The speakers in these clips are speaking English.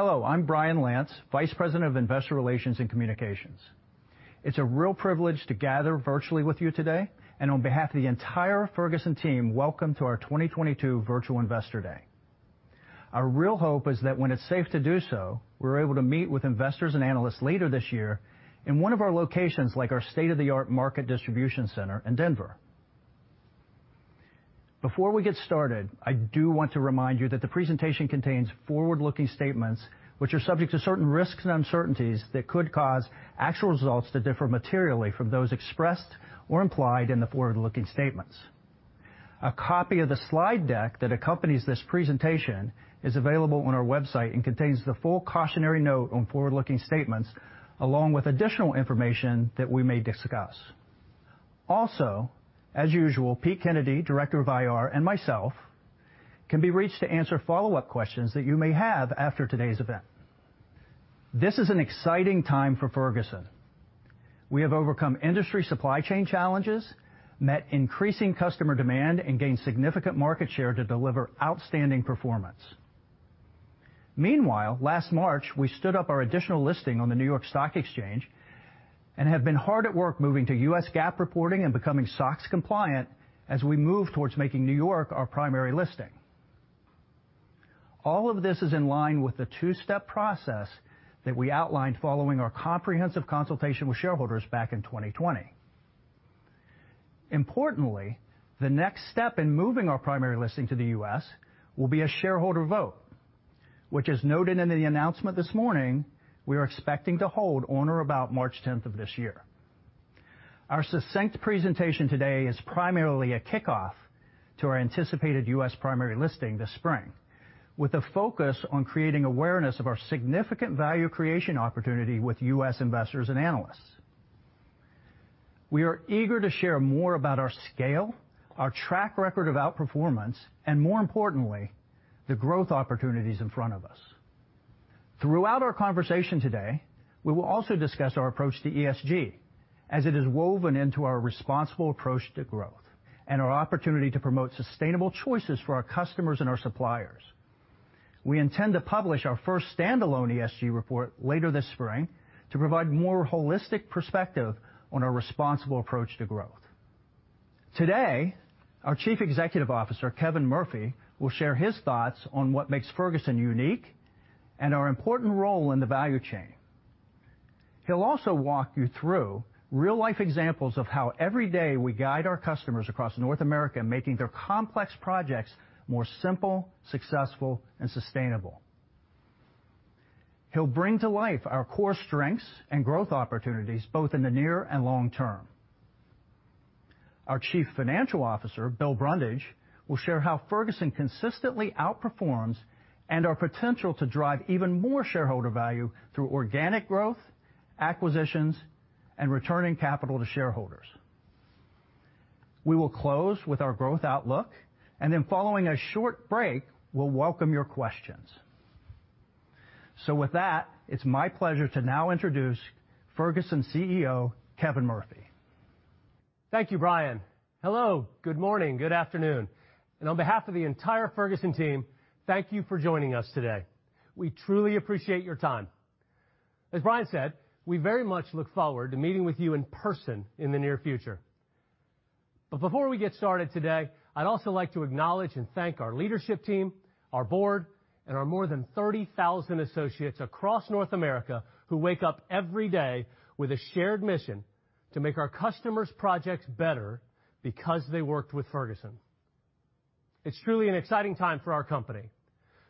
Hello. I'm Brian Lantz, Vice President of Investor Relations and Communications. It's a real privilege to gather virtually with you today, and on behalf of the entire Ferguson team, welcome to our 2022 Virtual Investor Day. Our real hope is that when it's safe to do so, we're able to meet with investors and analysts later this year in one of our locations, like our state-of-the-art market distribution center in Denver. Before we get started, I do want to remind you that the presentation contains forward-looking statements which are subject to certain risks and uncertainties that could cause actual results to differ materially from those expressed or implied in the forward-looking statements. A copy of the slide deck that accompanies this presentation is available on our website and contains the full cautionary note on forward-looking statements, along with additional information that we may discuss. As usual, Pete Kennedy, Director of IR, and myself can be reached to answer follow-up questions that you may have after today's event. This is an exciting time for Ferguson. We have overcome industry supply chain challenges, met increasing customer demand, and gained significant market share to deliver outstanding performance. Meanwhile, last March, we stood up our additional listing on the New York Stock Exchange and have been hard at work moving to U.S. GAAP reporting and becoming SOX compliant as we move towards making New York our primary listing. All of this is in line with the two-step process that we outlined following our comprehensive consultation with shareholders back in 2020. Importantly, the next step in moving our primary listing to the U.S. will be a shareholder vote, which as noted in the announcement this morning, we are expecting to hold on or about March tenth of this year. Our succinct presentation today is primarily a kickoff to our anticipated U.S. primary listing this spring, with a focus on creating awareness of our significant value creation opportunity with U.S. investors and analysts. We are eager to share more about our scale, our track record of outperformance, and more importantly, the growth opportunities in front of us. Throughout our conversation today, we will also discuss our approach to ESG, as it is woven into our responsible approach to growth and our opportunity to promote sustainable choices for our customers and our suppliers. We intend to publish our first standalone ESG report later this spring to provide more holistic perspective on our responsible approach to growth. Today, our Chief Executive Officer, Kevin Murphy, will share his thoughts on what makes Ferguson unique and our important role in the value chain. He'll also walk you through real-life examples of how every day we guide our customers across North America in making their complex projects more simple, successful, and sustainable. He'll bring to life our core strengths and growth opportunities, both in the near and long term. Our Chief Financial Officer, Bill Brundage, will share how Ferguson consistently outperforms and our potential to drive even more shareholder value through organic growth, acquisitions, and returning capital to shareholders. We will close with our growth outlook, and then following a short break, we'll welcome your questions. With that, it's my pleasure to now introduce Ferguson CEO, Kevin Murphy. Thank you, Brian. Hello, good morning, good afternoon, and on behalf of the entire Ferguson team, thank you for joining us today. We truly appreciate your time. As Brian said, we very much look forward to meeting with you in person in the near future. Before we get started today, I'd also like to acknowledge and thank our leadership team, our board, and our more than 30,000 associates across North America who wake up every day with a shared mission to make our customers' projects better because they worked with Ferguson. It's truly an exciting time for our company.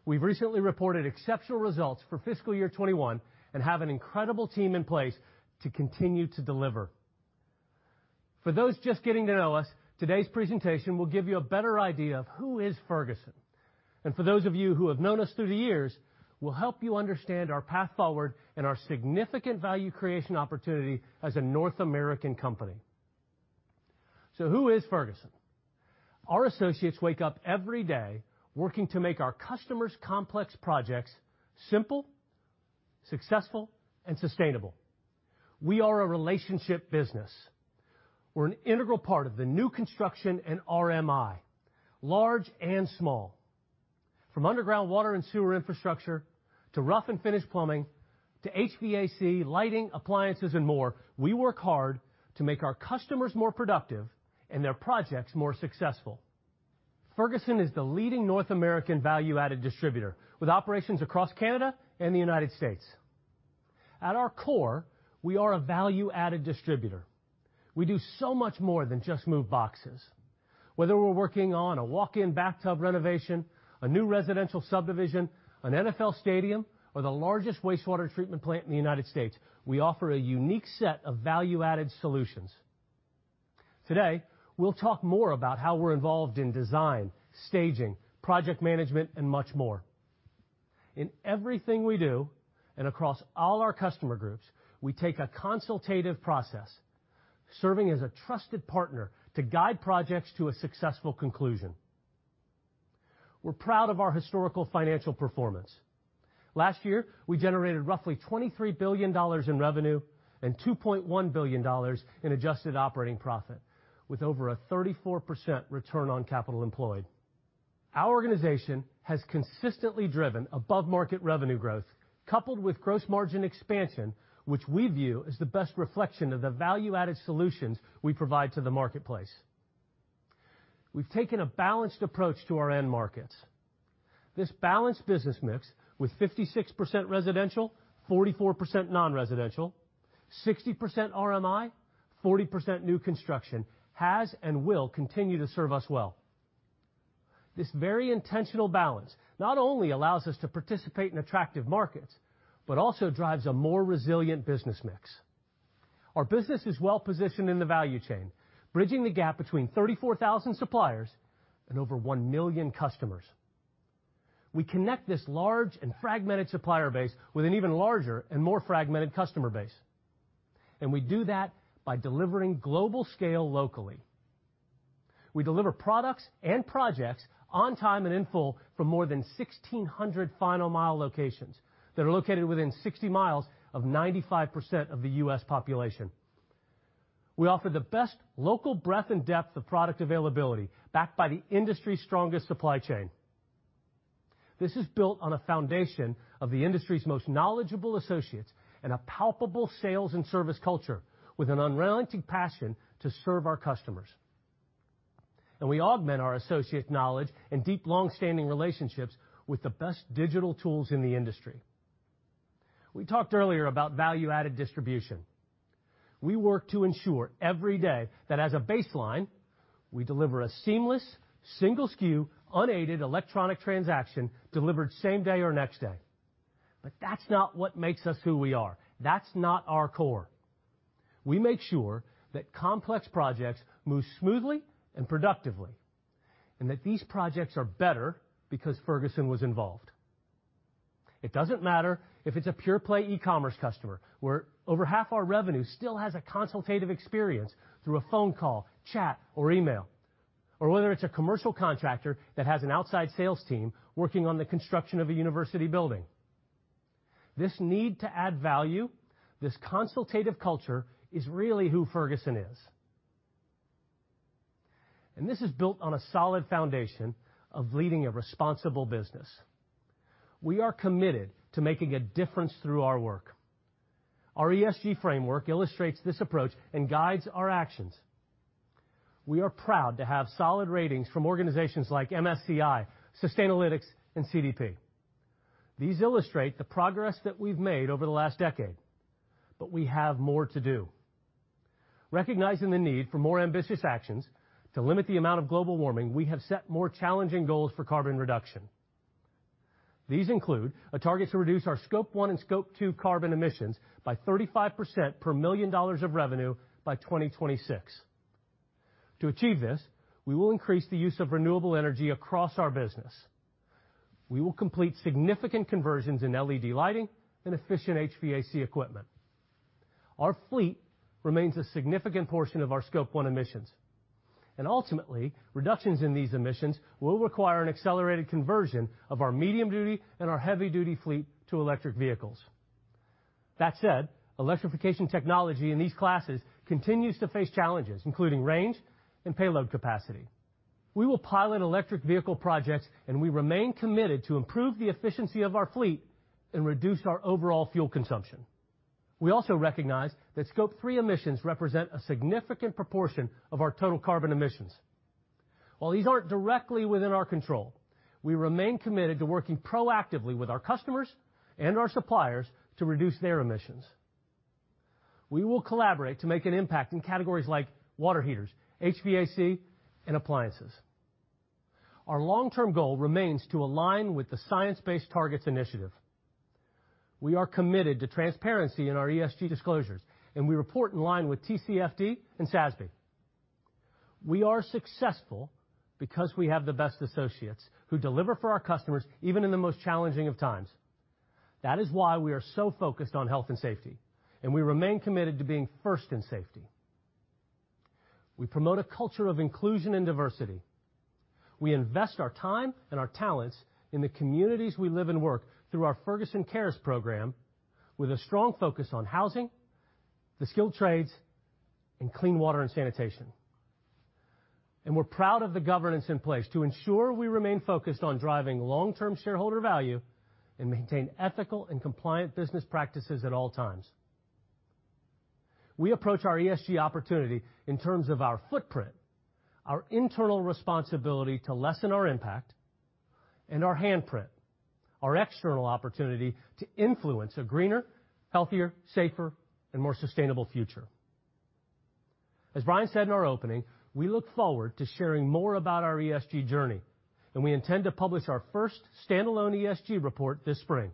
We've recently reported exceptional results for fiscal year 2021 and have an incredible team in place to continue to deliver. For those just getting to know us, today's presentation will give you a better idea of who is Ferguson, and for those of you who have known us through the years, we'll help you understand our path forward and our significant value creation opportunity as a North American company. Who is Ferguson? Our associates wake up every day working to make our customers' complex projects simple, successful, and sustainable. We are a relationship business. We're an integral part of the new construction and RMI, large and small. From underground water and sewer infrastructure to rough and finish plumbing to HVAC, lighting, appliances, and more, we work hard to make our customers more productive and their projects more successful. Ferguson is the leading North American value-added distributor, with operations across Canada and the United States. At our core, we are a value-added distributor. We do so much more than just move boxes. Whether we're working on a walk-in bathtub renovation, a new residential subdivision, an NFL stadium, or the largest wastewater treatment plant in the United States, we offer a unique set of value-added solutions. Today, we'll talk more about how we're involved in design, staging, project management, and much more. In everything we do and across all our customer groups, we take a consultative process, serving as a trusted partner to guide projects to a successful conclusion. We're proud of our historical financial performance. Last year, we generated roughly $23 billion in revenue and $2.1 billion in adjusted operating profit, with over a 34% return on capital employed. Our organization has consistently driven above-market revenue growth, coupled with gross margin expansion, which we view as the best reflection of the value-added solutions we provide to the marketplace. We've taken a balanced approach to our end markets. This balanced business mix, with 56% residential, 44% non-residential, 60% RMI, 40% new construction, has and will continue to serve us well. This very intentional balance not only allows us to participate in attractive markets, but also drives a more resilient business mix. Our business is well-positioned in the value chain, bridging the gap between 34,000 suppliers and over 1 million customers. We connect this large and fragmented supplier base with an even larger and more fragmented customer base, and we do that by delivering global scale locally. We deliver products and projects on time and in full for more than 1,600 final mile locations that are located within 60 miles of 95% of the U.S. population. We offer the best local breadth and depth of product availability backed by the industry's strongest supply chain. This is built on a foundation of the industry's most knowledgeable associates and a palpable sales and service culture with an unrelenting passion to serve our customers. We augment our associates' knowledge and deep, long-standing relationships with the best digital tools in the industry. We talked earlier about value-added distribution. We work to ensure every day that as a baseline, we deliver a seamless, single SKU, unaided electronic transaction delivered same day or next day, but that's not what makes us who we are. That's not our core. We make sure that complex projects move smoothly and productively, and that these projects are better because Ferguson was involved. It doesn't matter if it's a pure play e-commerce customer, where over half our revenue still has a consultative experience through a phone call, chat, or email, or whether it's a commercial contractor that has an outside sales team working on the construction of a university building. This need to add value, this consultative culture, is really who Ferguson is. This is built on a solid foundation of leading a responsible business. We are committed to making a difference through our work. Our ESG framework illustrates this approach and guides our actions. We are proud to have solid ratings from organizations like MSCI, Sustainalytics, and CDP. These illustrate the progress that we've made over the last decade, but we have more to do. Recognizing the need for more ambitious actions to limit the amount of global warming, we have set more challenging goals for carbon reduction. These include a target to reduce our Scope 1 and Scope 2 carbon emissions by 35% per $1 million of revenue by 2026. To achieve this, we will increase the use of renewable energy across our business. We will complete significant conversions in LED lighting and efficient HVAC equipment. Our fleet remains a significant portion of our Scope 1 emissions, and ultimately, reductions in these emissions will require an accelerated conversion of our medium-duty and our heavy-duty fleet to electric vehicles. That said, electrification technology in these classes continues to face challenges, including range and payload capacity. We will pilot electric vehicle projects, and we remain committed to improve the efficiency of our fleet and reduce our overall fuel consumption. We also recognize that Scope 3 emissions represent a significant proportion of our total carbon emissions. While these aren't directly within our control, we remain committed to working proactively with our customers and our suppliers to reduce their emissions. We will collaborate to make an impact in categories like water heaters, HVAC, and appliances. Our long-term goal remains to align with the Science Based Targets initiative. We are committed to transparency in our ESG disclosures, and we report in line with TCFD and SASB. We are successful because we have the best associates who deliver for our customers even in the most challenging of times. That is why we are so focused on health and safety, and we remain committed to being first in safety. We promote a culture of inclusion and diversity. We invest our time and our talents in the communities we live and work through our Ferguson Cares program with a strong focus on housing, the skilled trades, and clean water and sanitation. We're proud of the governance in place to ensure we remain focused on driving long-term shareholder value and maintain ethical and compliant business practices at all times. We approach our ESG opportunity in terms of our footprint, our internal responsibility to lessen our impact, and our handprint, our external opportunity to influence a greener, healthier, safer, and more sustainable future. As Brian said in our opening, we look forward to sharing more about our ESG journey, and we intend to publish our first standalone ESG report this spring.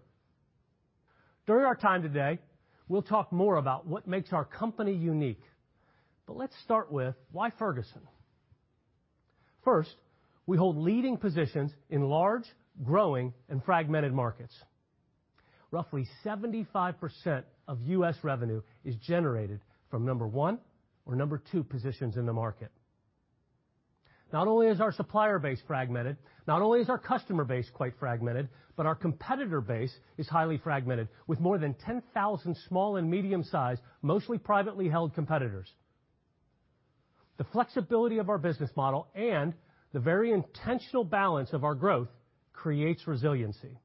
During our time today, we'll talk more about what makes our company unique. Let's start with why Ferguson? First, we hold leading positions in large, growing, and fragmented markets. Roughly 75% of U.S. Revenue is generated from number one or number two positions in the market. Not only is our supplier base fragmented, not only is our customer base quite fragmented, but our competitor base is highly fragmented, with more than 10,000 small and medium-sized, mostly privately held competitors. The flexibility of our business model and the very intentional balance of our growth creates resiliency.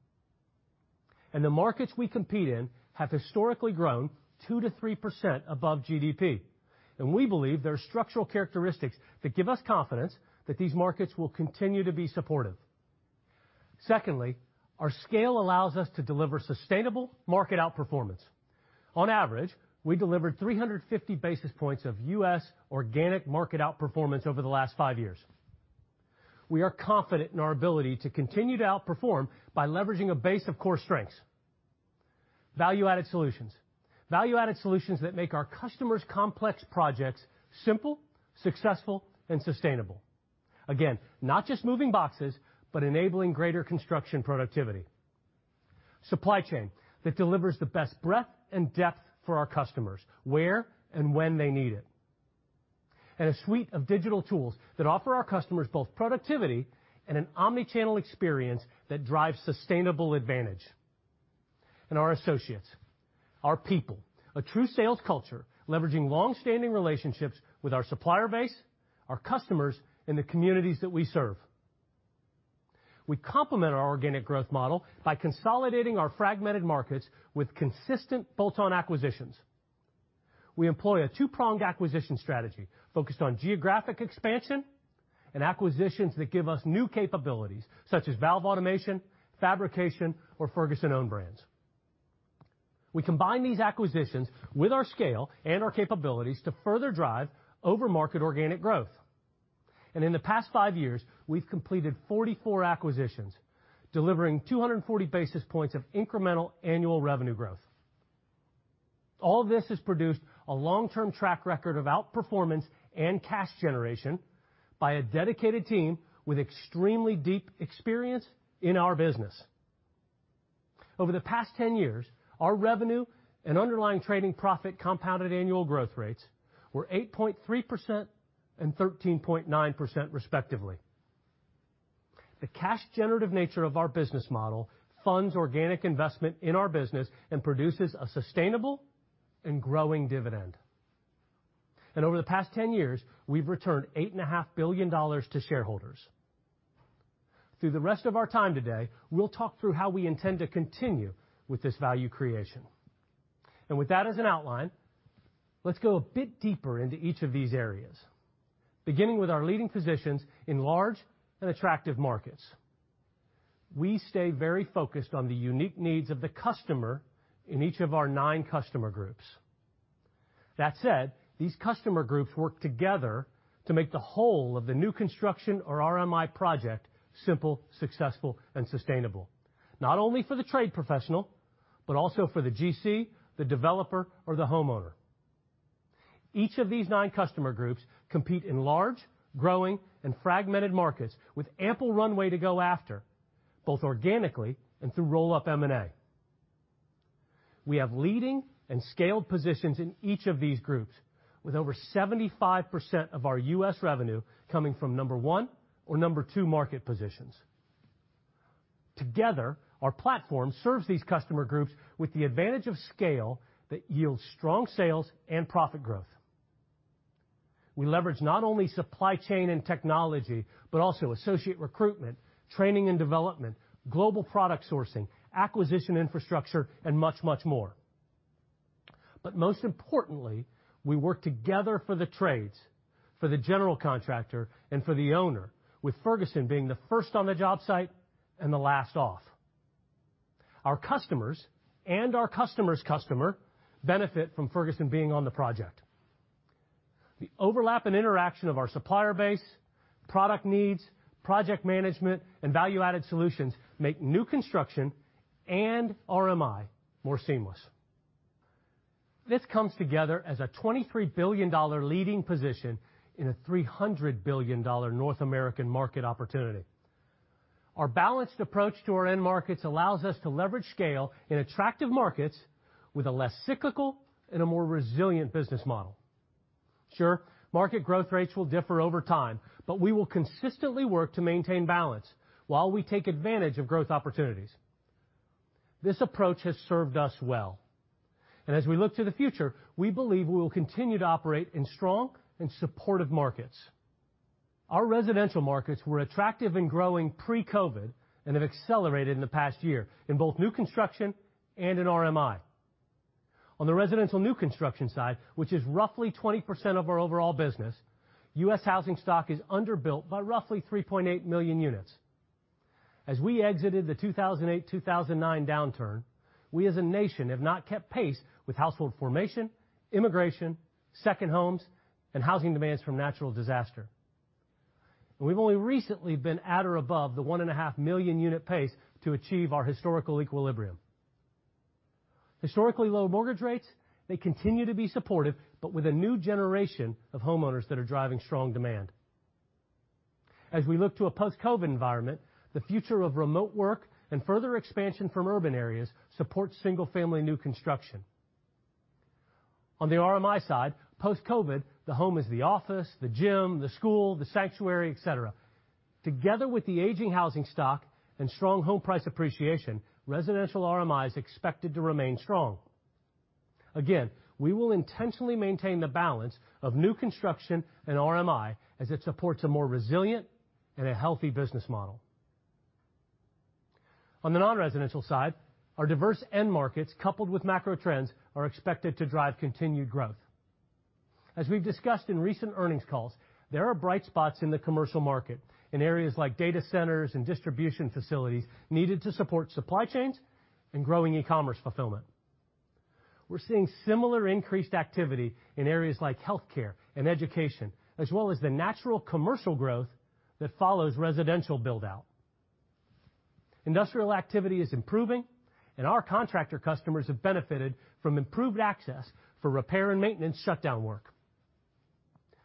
The markets we compete in have historically grown 2%-3% above GDP. We believe there are structural characteristics that give us confidence that these markets will continue to be supportive. Secondly, our scale allows us to deliver sustainable market outperformance. On average, we delivered 350 basis points of U.S. organic market outperformance over the last five years. We are confident in our ability to continue to outperform by leveraging a base of core strengths. Value-added solutions. Value-added solutions that make our customers' complex projects simple, successful, and sustainable. Again, not just moving boxes, but enabling greater construction productivity. Supply chain that delivers the best breadth and depth for our customers, where and when they need it. A suite of digital tools that offer our customers both productivity and an omni-channel experience that drives sustainable advantage. Our associates, our people, a true sales culture leveraging long-standing relationships with our supplier base, our customers, and the communities that we serve. We complement our organic growth model by consolidating our fragmented markets with consistent bolt-on acquisitions. We employ a two-pronged acquisition strategy focused on geographic expansion and acquisitions that give us new capabilities, such as valve automation, fabrication, or Ferguson-owned brands. We combine these acquisitions with our scale and our capabilities to further drive over-market organic growth. In the past five years, we've completed 44 acquisitions, delivering 240 basis points of incremental annual revenue growth. All this has produced a long-term track record of outperformance and cash generation by a dedicated team with extremely deep experience in our business. Over the past 10 years, our revenue and underlying trading profit compounded annual growth rates were 8.3% and 13.9%, respectively. The cash generative nature of our business model funds organic investment in our business and produces a sustainable and growing dividend. Over the past 10 years, we've returned $8.5 billion to shareholders. Through the rest of our time today, we'll talk through how we intend to continue with this value creation. With that as an outline, let's go a bit deeper into each of these areas. Beginning with our leading positions in large and attractive markets. We stay very focused on the unique needs of the customer in each of our nine customer groups. That said, these customer groups work together to make the whole of the new construction or RMI project simple, successful, and sustainable, not only for the trade professional, but also for the GC, the developer, or the homeowner. Each of these nine customer groups compete in large, growing, and fragmented markets with ample runway to go after, both organically and through roll-up M&A. We have leading and scaled positions in each of these groups, with over 75% of our U.S. revenue coming from number one or number two market positions. Together, our platform serves these customer groups with the advantage of scale that yields strong sales and profit growth. We leverage not only supply chain and technology, but also associate recruitment, training and development, global product sourcing, acquisition infrastructure, and much, much more. Most importantly, we work together for the trades, for the general contractor, and for the owner, with Ferguson being the first on the job site and the last off. Our customers and our customer's customer benefit from Ferguson being on the project. The overlap and interaction of our supplier base, product needs, project management, and value-added solutions make new construction and RMI more seamless. This comes together as a $23 billion leading position in a $300 billion North American market opportunity. Our balanced approach to our end markets allows us to leverage scale in attractive markets with a less cyclical and a more resilient business model. Sure, market growth rates will differ over time, but we will consistently work to maintain balance while we take advantage of growth opportunities. This approach has served us well. As we look to the future, we believe we will continue to operate in strong and supportive markets. Our residential markets were attractive and growing pre-COVID, and have accelerated in the past year in both new construction and in RMI. On the residential new construction side, which is roughly 20% of our overall business, U.S. housing stock is underbuilt by roughly 3.8 million units. As we exited the 2008, 2009 downturn, we as a nation have not kept pace with household formation, immigration, second homes, and housing demands from natural disaster. We've only recently been at or above the 1.5 million unit pace to achieve our historical equilibrium. Historically low mortgage rates, they continue to be supportive, but with a new generation of homeowners that are driving strong demand. As we look to a post-COVID environment, the future of remote work and further expansion from urban areas supports single-family new construction. On the RMI side, post-COVID, the home is the office, the gym, the school, the sanctuary, et cetera. Together with the aging housing stock and strong home price appreciation, residential RMI is expected to remain strong. Again, we will intentionally maintain the balance of new construction and RMI as it supports a more resilient and a healthy business model. On the non-residential side, our diverse end markets, coupled with macro trends, are expected to drive continued growth. As we've discussed in recent earnings calls, there are bright spots in the commercial market in areas like data centers and distribution facilities needed to support supply chains and growing e-commerce fulfillment. We're seeing similar increased activity in areas like healthcare and education, as well as the natural commercial growth that follows residential build-out. Industrial activity is improving, and our contractor customers have benefited from improved access for repair and maintenance shutdown work.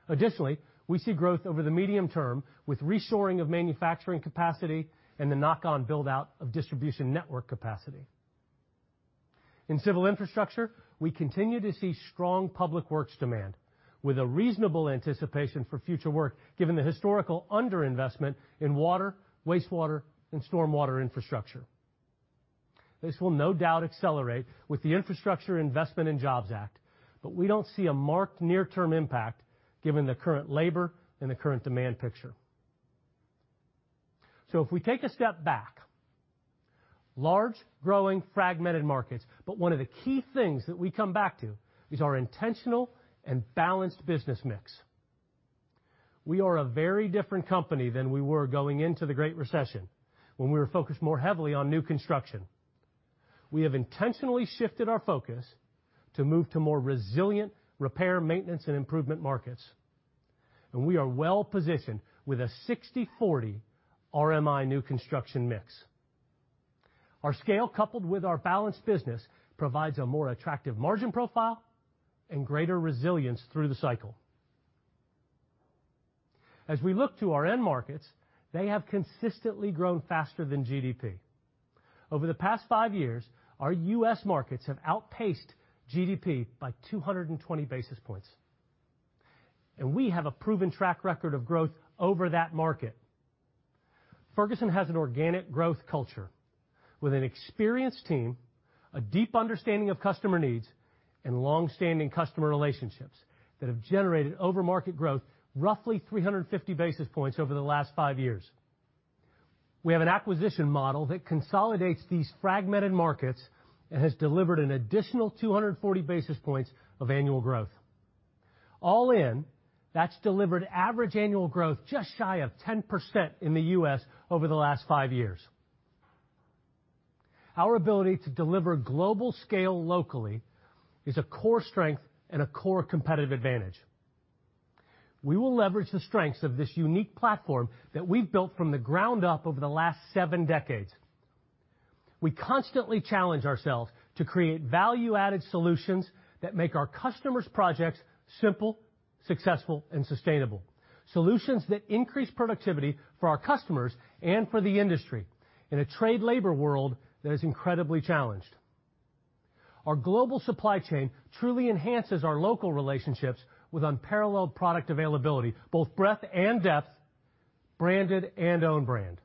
Additionally, we see growth over the medium term with reshoring of manufacturing capacity and the knock-on build-out of distribution network capacity. In civil infrastructure, we continue to see strong public works demand with a reasonable anticipation for future work, given the historical under-investment in water, wastewater, and stormwater infrastructure. This will no doubt accelerate with the Infrastructure Investment and Jobs Act, but we don't see a marked near-term impact given the current labor and the current demand picture. If we take a step back, large, growing, fragmented markets, but one of the key things that we come back to is our intentional and balanced business mix. We are a very different company than we were going into the Great Recession, when we were focused more heavily on new construction. We have intentionally shifted our focus to move to more resilient repair, maintenance, and improvement markets, and we are well positioned with a 60-40 RMI new construction mix. Our scale, coupled with our balanced business, provides a more attractive margin profile and greater resilience through the cycle. As we look to our end markets, they have consistently grown faster than GDP. Over the past five years, our U.S. Markets have outpaced GDP by 220 basis points, and we have a proven track record of growth over that market. Ferguson has an organic growth culture with an experienced team, a deep understanding of customer needs, and longstanding customer relationships that have generated over-market growth roughly 350 basis points over the last five years. We have an acquisition model that consolidates these fragmented markets and has delivered an additional 240 basis points of annual growth. All in, that's delivered average annual growth just shy of 10% in the U.S. over the last five years. Our ability to deliver global scale locally is a core strength and a core competitive advantage. We will leverage the strengths of this unique platform that we've built from the ground up over the last seven decades. We constantly challenge ourselves to create value-added solutions that make our customers' projects simple, successful, and sustainable, solutions that increase productivity for our customers and for the industry in a trade labor world that is incredibly challenged. Our global supply chain truly enhances our local relationships with unparalleled product availability, both breadth and depth, branded and own brand.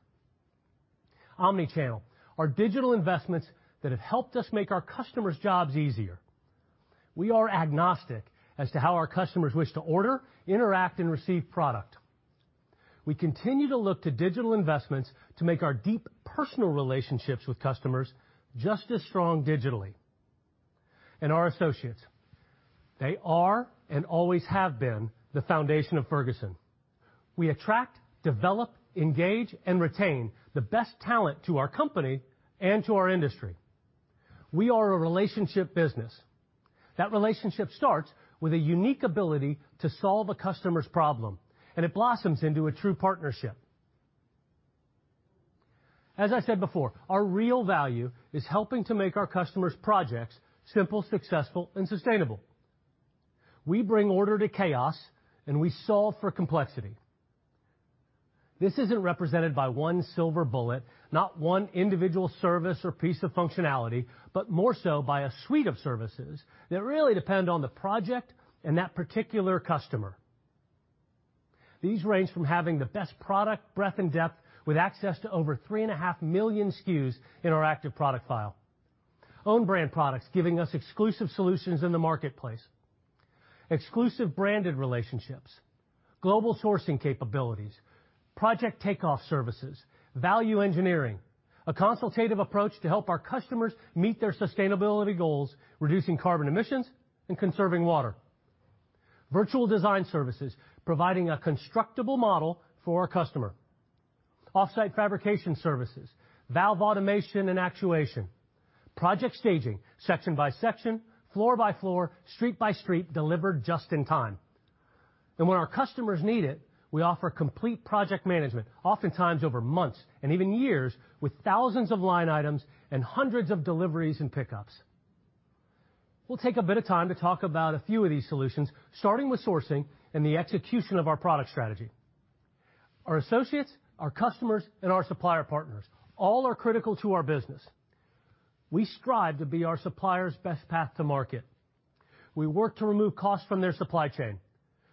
Our omnichannel, our digital investments that have helped us make our customers' jobs easier. We are agnostic as to how our customers wish to order, interact, and receive product. We continue to look to digital investments to make our deep personal relationships with customers just as strong digitally. Our associates, they are and always have been the foundation of Ferguson. We attract, develop, engage, and retain the best talent to our company and to our industry. We are a relationship business. That relationship starts with a unique ability to solve a customer's problem, and it blossoms into a true partnership. As I said before, our real value is helping to make our customers' projects simple, successful, and sustainable. We bring order to chaos, and we solve for complexity. This isn't represented by one silver bullet, not one individual service or piece of functionality, but more so by a suite of services that really depend on the project and that particular customer. These range from having the best product breadth and depth with access to over 3.5 million SKUs in our active product file, own brand products giving us exclusive solutions in the marketplace, exclusive branded relationships, global sourcing capabilities, project takeoff services, value engineering, a consultative approach to help our customers meet their sustainability goals, reducing carbon emissions and conserving water. Virtual design services providing a constructible model for our customer. Off-site fabrication services. Valve automation and actuation. Project staging, section by section, floor by floor, street by street, delivered just in time. When our customers need it, we offer complete project management, oftentimes over months and even years, with thousands of line items and hundreds of deliveries and pickups. We'll take a bit of time to talk about a few of these solutions, starting with sourcing and the execution of our product strategy. Our associates, our customers, and our supplier partners all are critical to our business. We strive to be our suppliers' best path to market. We work to remove costs from their supply chain,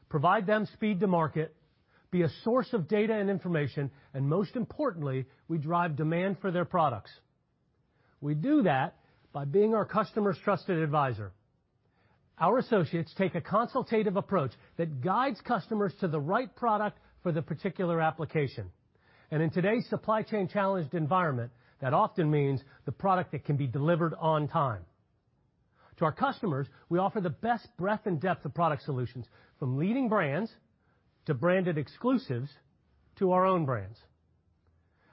provide them speed to market, be a source of data and information, and most importantly, we drive demand for their products. We do that by being our customer's trusted advisor. Our associates take a consultative approach that guides customers to the right product for the particular application. In today's supply chain challenged environment, that often means the product that can be delivered on time. To our customers, we offer the best breadth and depth of product solutions from leading brands to branded exclusives to our own brands.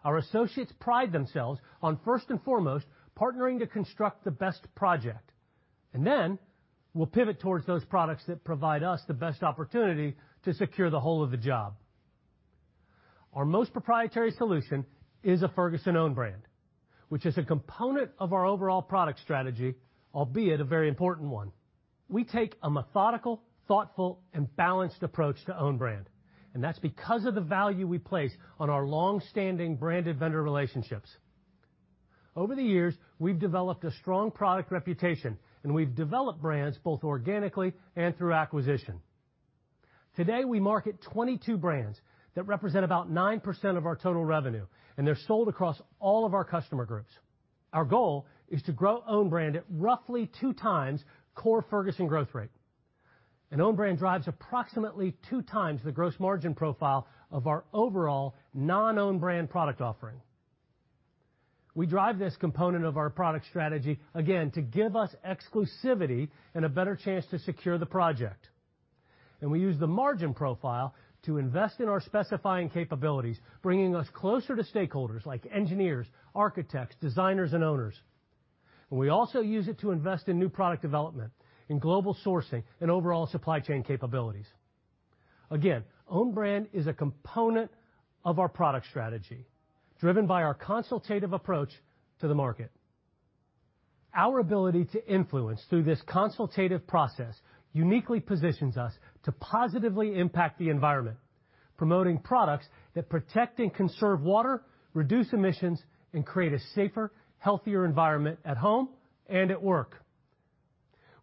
Our associates pride themselves on first and foremost partnering to construct the best project, and then we'll pivot towards those products that provide us the best opportunity to secure the whole of the job. Our most proprietary solution is a Ferguson own brand, which is a component of our overall product strategy, albeit a very important one. We take a methodical, thoughtful, and balanced approach to own brand, and that's because of the value we place on our long-standing branded vendor relationships. Over the years, we've developed a strong product reputation, and we've developed brands both organically and through acquisition. Today, we market 22 brands that represent about 9% of our total revenue, and they're sold across all of our customer groups. Our goal is to grow our own brand at roughly 2x core Ferguson growth rate. Our own brand drives approximately 2x the gross margin profile of our overall non-own brand product offering. We drive this component of our product strategy, again, to give us exclusivity and a better chance to secure the project. We use the margin profile to invest in our specifying capabilities, bringing us closer to stakeholders like engineers, architects, designers, and owners. We also use it to invest in new product development, in global sourcing, and overall supply chain capabilities. Again, own brand is a component of our product strategy, driven by our consultative approach to the market. Our ability to influence through this consultative process uniquely positions us to positively impact the environment, promoting products that protect and conserve water, reduce emissions, and create a safer, healthier environment at home and at work.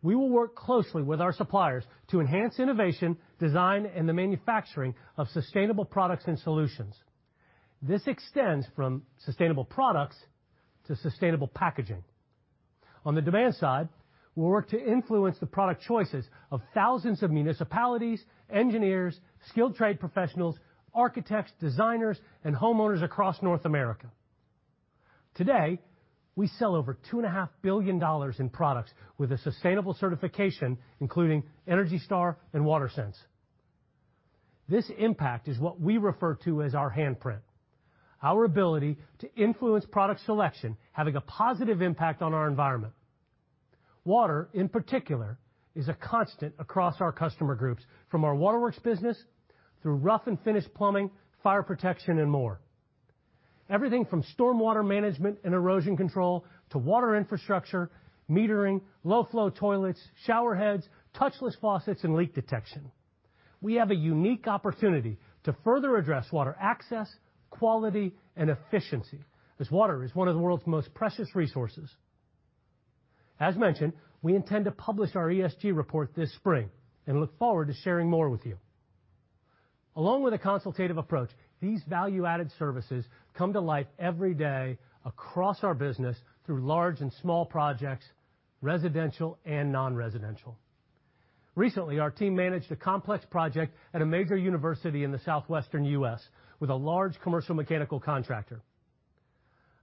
We will work closely with our suppliers to enhance innovation, design, and the manufacturing of sustainable products and solutions. This extends from sustainable products to sustainable packaging. On the demand side, we'll work to influence the product choices of thousands of municipalities, engineers, skilled trade professionals, architects, designers, and homeowners across North America. Today, we sell over $2.5 billion in products with a sustainable certification, including ENERGY STAR and WaterSense. This impact is what we refer to as our handprint, our ability to influence product selection having a positive impact on our environment. Water, in particular, is a constant across our customer groups, from our waterworks business through rough and finished plumbing, fire protection, and more. Everything from storm water management and erosion control to water infrastructure, metering, low flow toilets, shower heads, touchless faucets, and leak detection. We have a unique opportunity to further address water access, quality, and efficiency, as water is one of the world's most precious resources. As mentioned, we intend to publish our ESG report this spring and look forward to sharing more with you. Along with a consultative approach, these value-added services come to light every day across our business through large and small projects, residential and non-residential. Recently, our team managed a complex project at a major university in the southwestern U.S. with a large commercial mechanical contractor.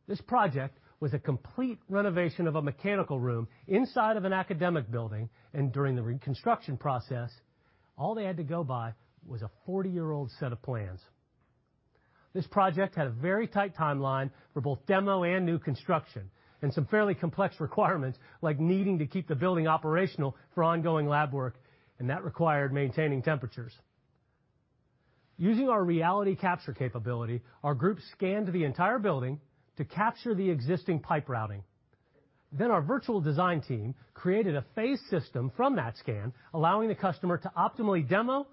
This project was a complete renovation of a mechanical room inside of an academic building, and during the reconstruction process, all they had to go by was a 40-year-old set of plans. This project had a very tight timeline for both demo and new construction, and some fairly complex requirements like needing to keep the building operational for ongoing lab work, and that required maintaining temperatures. Using our reality capture capability, our group scanned the entire building to capture the existing pipe routing. Then our virtual design team created a phase system from that scan, allowing the customer to optimally demo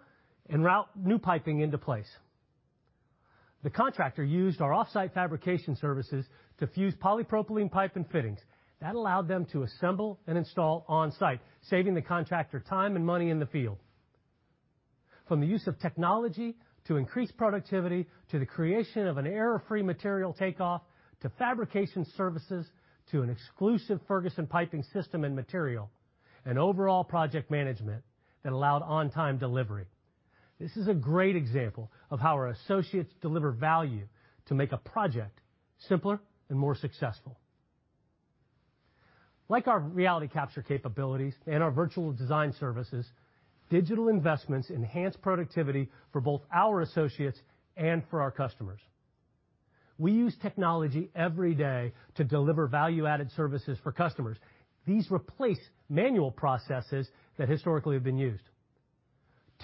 and route new piping into place. The contractor used our off-site fabrication services to fuse polypropylene pipe and fittings. That allowed them to assemble and install on-site, saving the contractor time and money in the field. From the use of technology to increase productivity, to the creation of an error-free material takeoff, to fabrication services, to an exclusive Ferguson piping system and material, and overall project management that allowed on-time delivery. This is a great example of how our associates deliver value to make a project simpler and more successful. Like our reality capture capabilities and our virtual design services, digital investments enhance productivity for both our associates and for our customers. We use technology every day to deliver value-added services for customers. These replace manual processes that historically have been used.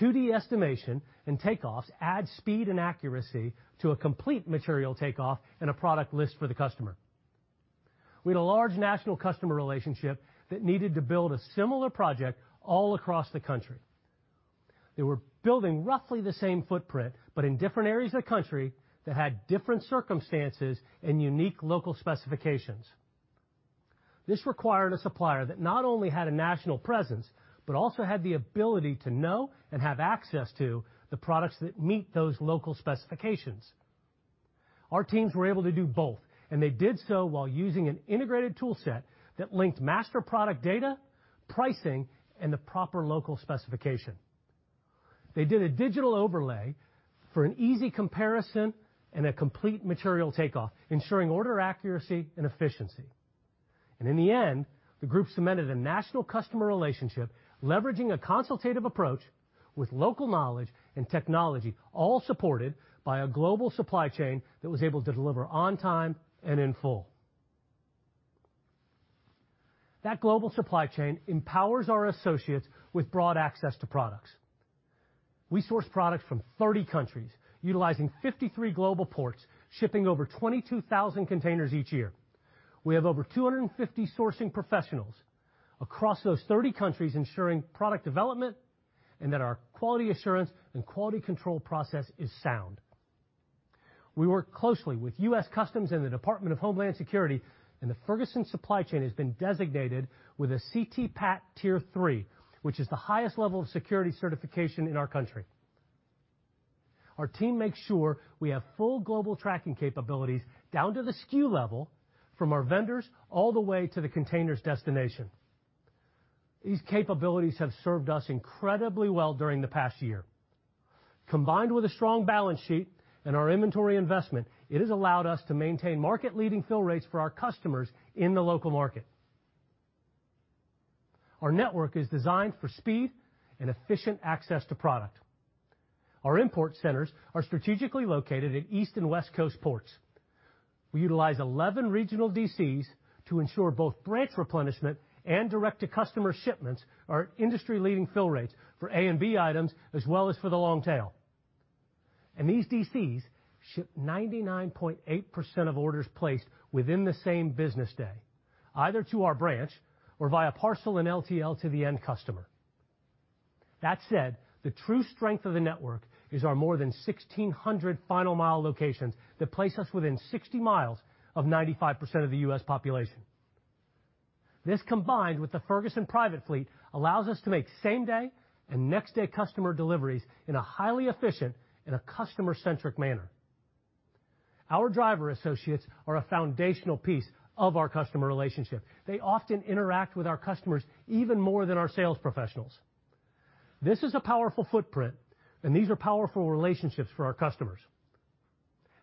2D estimation and takeoffs add speed and accuracy to a complete material takeoff and a product list for the customer. We had a large national customer relationship that needed to build a similar project all across the country. They were building roughly the same footprint, but in different areas of the country that had different circumstances and unique local specifications. This required a supplier that not only had a national presence, but also had the ability to know and have access to the products that meet those local specifications. Our teams were able to do both, and they did so while using an integrated toolset that linked master product data, pricing, and the proper local specification. They did a digital overlay for an easy comparison and a complete material takeoff, ensuring order accuracy and efficiency. In the end, the group cemented a national customer relationship, leveraging a consultative approach with local knowledge and technology, all supported by a global supply chain that was able to deliver on time and in full. That global supply chain empowers our associates with broad access to products. We source products from 30 countries, utilizing 53 global ports, shipping over 22,000 containers each year. We have over 250 sourcing professionals across those 30 countries ensuring product development and that our quality assurance and quality control process is sound. We work closely with U.S. Customs and the Department of Homeland Security, and the Ferguson supply chain has been designated with a C-TPAT Tier 3, which is the highest level of security certification in our country. Our team makes sure we have full global tracking capabilities down to the SKU level from our vendors all the way to the container's destination. These capabilities have served us incredibly well during the past year. Combined with a strong balance sheet and our inventory investment, it has allowed us to maintain market-leading fill rates for our customers in the local market. Our network is designed for speed and efficient access to product. Our import centers are strategically located at East and West Coast ports. We utilize 11 regional DCs to ensure both branch replenishment and direct-to-customer shipments are industry-leading fill rates for A and B items as well as for the long tail. These DCs ship 99.8% of orders placed within the same business day, either to our branch or via parcel and LTL to the end customer. That said, the true strength of the network is our more than 1,600 final mile locations that place us within 60 miles of 95% of the U.S. population. This, combined with the Ferguson private fleet, allows us to make same-day and next-day customer deliveries in a highly efficient and a customer-centric manner. Our driver associates are a foundational piece of our customer relationship. They often interact with our customers even more than our sales professionals. This is a powerful footprint, and these are powerful relationships for our customers.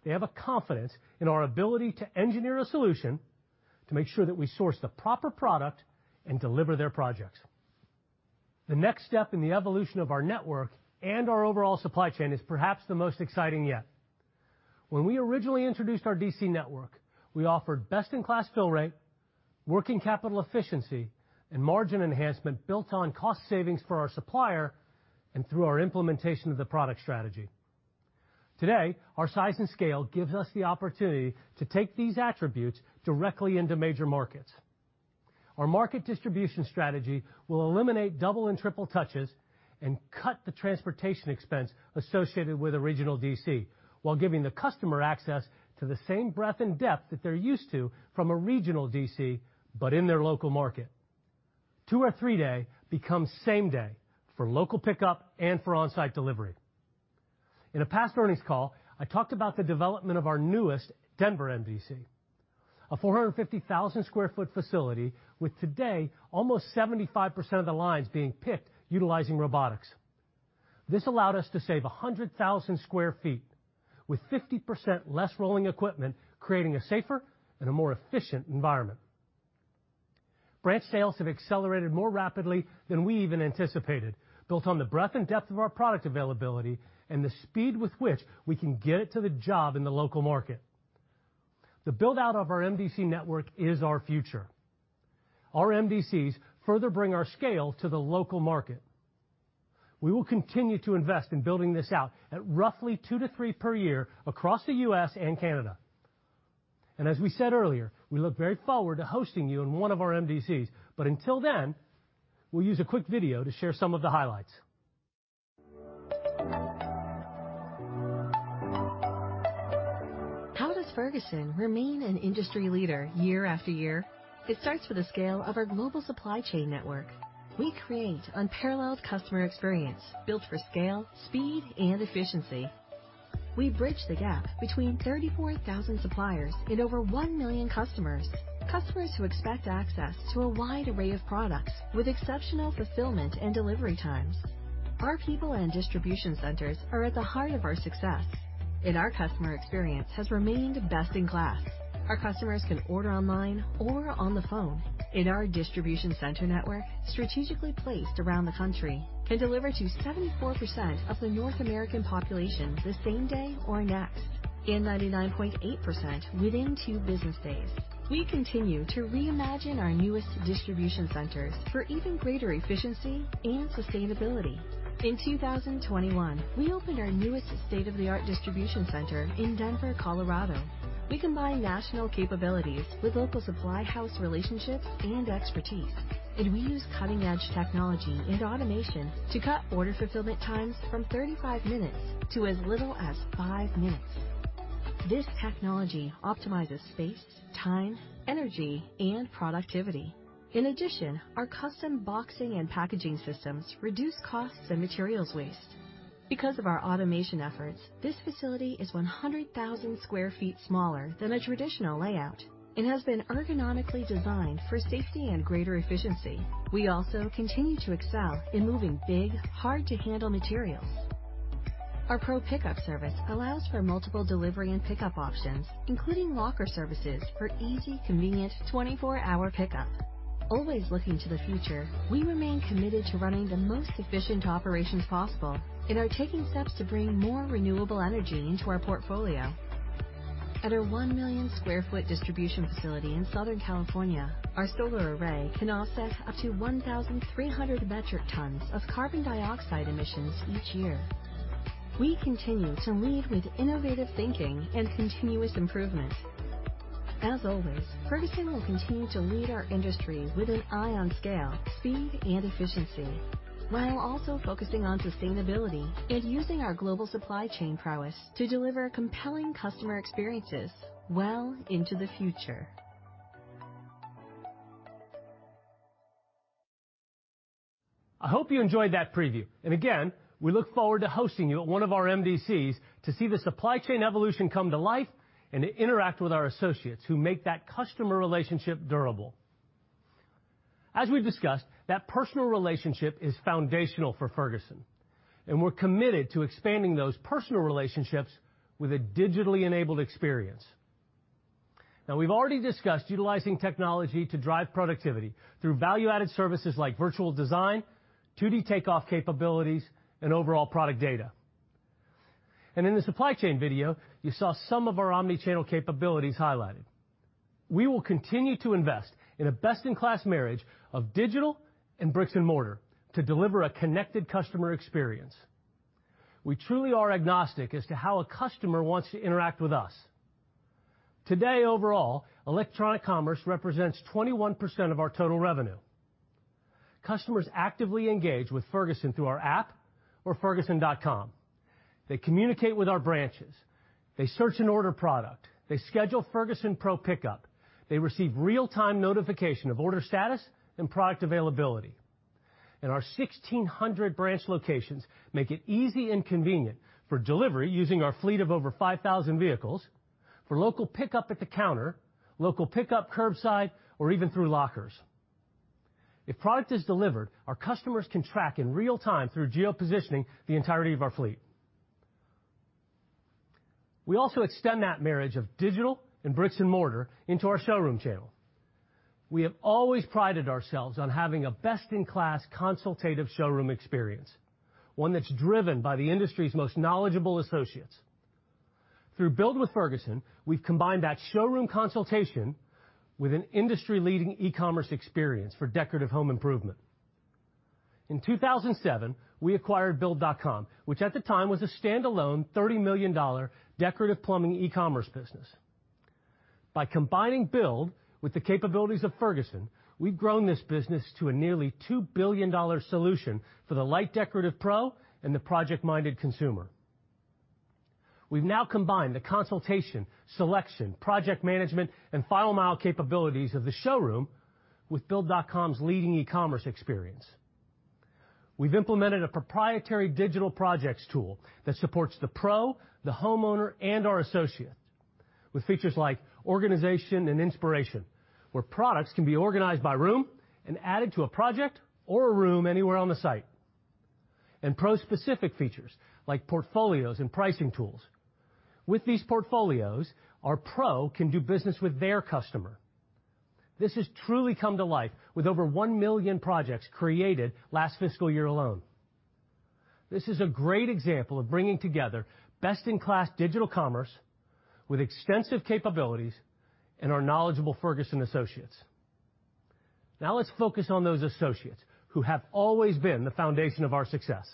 They have a confidence in our ability to engineer a solution to make sure that we source the proper product and deliver their projects. The next step in the evolution of our network and our overall supply chain is perhaps the most exciting yet. When we originally introduced our DC network, we offered best-in-class fill rate, working capital efficiency, and margin enhancement built on cost savings for our supplier and through our implementation of the product strategy. Today, our size and scale gives us the opportunity to take these attributes directly into major markets. Our market distribution strategy will eliminate double and triple touches and cut the transportation expense associated with a regional DC while giving the customer access to the same breadth and depth that they're used to from a regional DC, but in their local market. Two to three day becomes same day for local pickup and for on-site delivery. In a past earnings call, I talked about the development of our newest Denver MDC, a 450,000 sq ft facility with today almost 75% of the lines being picked utilizing robotics. This allowed us to save 100,000 sq ft with 50% less rolling equipment, creating a safer and a more efficient environment. Branch sales have accelerated more rapidly than we even anticipated, built on the breadth and depth of our product availability and the speed with which we can get it to the job in the local market. The build-out of our MDC network is our future. Our MDCs further bring our scale to the local market. We will continue to invest in building this out at roughly two to three per year across the U.S. and Canada. As we said earlier, we look very forward to hosting you in one of our MDCs, but until then, we'll use a quick video to share some of the highlights. How does Ferguson remain an industry leader year after year? It starts with the scale of our global supply chain network. We create unparalleled customer experience built for scale, speed, and efficiency. We bridge the gap between 34,000 suppliers and over 1 million customers who expect access to a wide array of products with exceptional fulfillment and delivery times. Our people and distribution centers are at the heart of our success, and our customer experience has remained best in class. Our customers can order online or on the phone, and our distribution center network, strategically placed around the country, can deliver to 74% of the North American population the same day or next, and 99.8% within two business days. We continue to reimagine our newest distribution centers for even greater efficiency and sustainability. In 2021, we opened our newest state-of-the-art distribution center in Denver, Colorado. We combine national capabilities with local supply house relationships and expertise, and we use cutting-edge technology and automation to cut order fulfillment times from 35 minutes to as little as five minutes. This technology optimizes space, time, energy, and productivity. In addition, our custom boxing and packaging systems reduce costs and materials waste. Because of our automation efforts, this facility is 100,000 sq ft smaller than a traditional layout. It has been ergonomically designed for safety and greater efficiency. We also continue to excel in moving big, hard to handle materials. Our Pro Pick-Up service allows for multiple delivery and pickup options, including locker services for easy, convenient 24-hour pickup. Always looking to the future, we remain committed to running the most efficient operations possible and are taking steps to bring more renewable energy into our portfolio. At our 1 million sq ft distribution facility in Southern California, our solar array can offset up to 1,300 metric tons of carbon dioxide emissions each year. We continue to lead with innovative thinking and continuous improvement. As always, Ferguson will continue to lead our industry with an eye on scale, speed, and efficiency, while also focusing on sustainability and using our global supply chain prowess to deliver compelling customer experiences well into the future. I hope you enjoyed that preview. Again, we look forward to hosting you at one of our MDCs to see the supply chain evolution come to life and to interact with our associates who make that customer relationship durable. As we've discussed, that personal relationship is foundational for Ferguson, and we're committed to expanding those personal relationships with a digitally enabled experience. Now, we've already discussed utilizing technology to drive productivity through value-added services like virtual design, 2D takeoff capabilities, and overall product data. In the supply chain video, you saw some of our omni-channel capabilities highlighted. We will continue to invest in a best-in-class marriage of digital and bricks and mortar to deliver a connected customer experience. We truly are agnostic as to how a customer wants to interact with us. Today, overall, electronic commerce represents 21% of our total revenue. Customers actively engage with Ferguson through our app or ferguson.com. They communicate with our branches. They search and order product. They schedule Ferguson Pro Pick-Up. They receive real-time notification of order status and product availability. Our 1,600 branch locations make it easy and convenient for delivery using our fleet of over 5,000 vehicles, for local pickup at the counter, local pickup curbside, or even through lockers. If product is delivered, our customers can track in real time through geopositioning the entirety of our fleet. We also extend that marriage of digital and bricks and mortar into our showroom channel. We have always prided ourselves on having a best-in-class consultative showroom experience, one that's driven by the industry's most knowledgeable associates. Through Build with Ferguson, we've combined that showroom consultation with an industry-leading e-commerce experience for decorative home improvement. In 2007, we acquired Build.com, which at the time was a standalone $30 million decorative plumbing e-commerce business. By combining Build with the capabilities of Ferguson, we've grown this business to a nearly $2 billion solution for the light decorative pro and the project-minded consumer. We've now combined the consultation, selection, project management, and fulfillment capabilities of the showroom with Build.com's leading e-commerce experience. We've implemented a proprietary digital projects tool that supports the pro, the homeowner, and our associate with features like organization and inspiration, where products can be organized by room and added to a project or a room anywhere on the site. Pro specific features like portfolios and pricing tools. With these portfolios, our pro can do business with their customer. This has truly come to life with over 1 million projects created last fiscal year alone. This is a great example of bringing together best-in-class digital commerce with extensive capabilities and our knowledgeable Ferguson associates. Now let's focus on those associates who have always been the foundation of our success.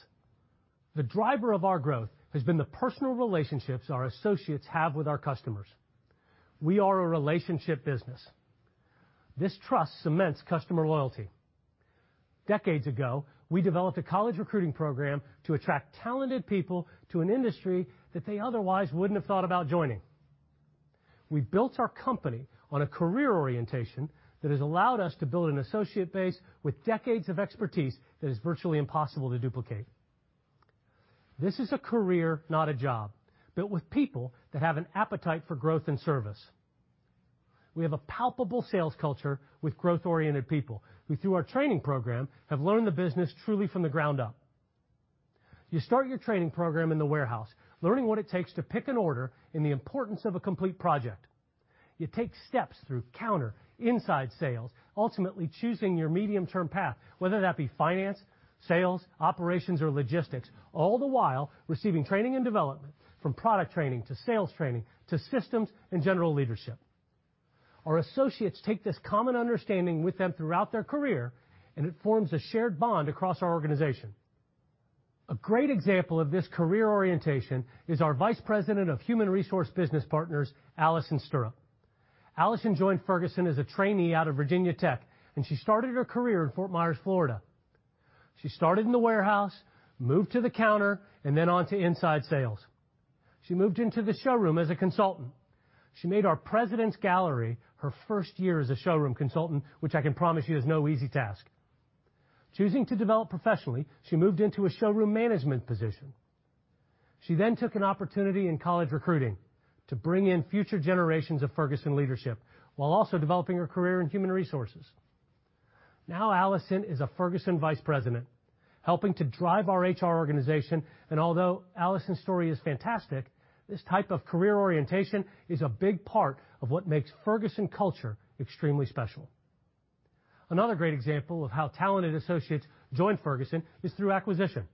The driver of our growth has been the personal relationships our associates have with our customers. We are a relationship business. This trust cements customer loyalty. Decades ago, we developed a college recruiting program to attract talented people to an industry that they otherwise wouldn't have thought about joining. We built our company on a career orientation that has allowed us to build an associate base with decades of expertise that is virtually impossible to duplicate. This is a career, not a job, built with people that have an appetite for growth and service. We have a palpable sales culture with growth-oriented people who, through our training program, have learned the business truly from the ground up. You start your training program in the warehouse, learning what it takes to pick an order and the importance of a complete project. You take steps through counter inside sales, ultimately choosing your medium-term path, whether that be finance, sales, operations, or logistics, all the while receiving training and development from product training to sales training to systems and general leadership. Our associates take this common understanding with them throughout their career, and it forms a shared bond across our organization. A great example of this career orientation is our Vice President of Human Resources Business Partners, Allison Stirrup. Allison joined Ferguson as a trainee out of Virginia Tech, and she started her career in Fort Myers, Florida. She started in the warehouse, moved to the counter, and then on to inside sales. She moved into the showroom as a consultant. She made our President's Gallery her first year as a showroom consultant, which I can promise you is no easy task. Choosing to develop professionally, she moved into a showroom management position. She then took an opportunity in college recruiting to bring in future generations of Ferguson leadership while also developing her career in human resources. Now, Allison is a Ferguson Vice President, helping to drive our HR organization. Although Allison's story is fantastic, this type of career orientation is a big part of what makes Ferguson culture extremely special. Another great example of how talented associates join Ferguson is through acquisition.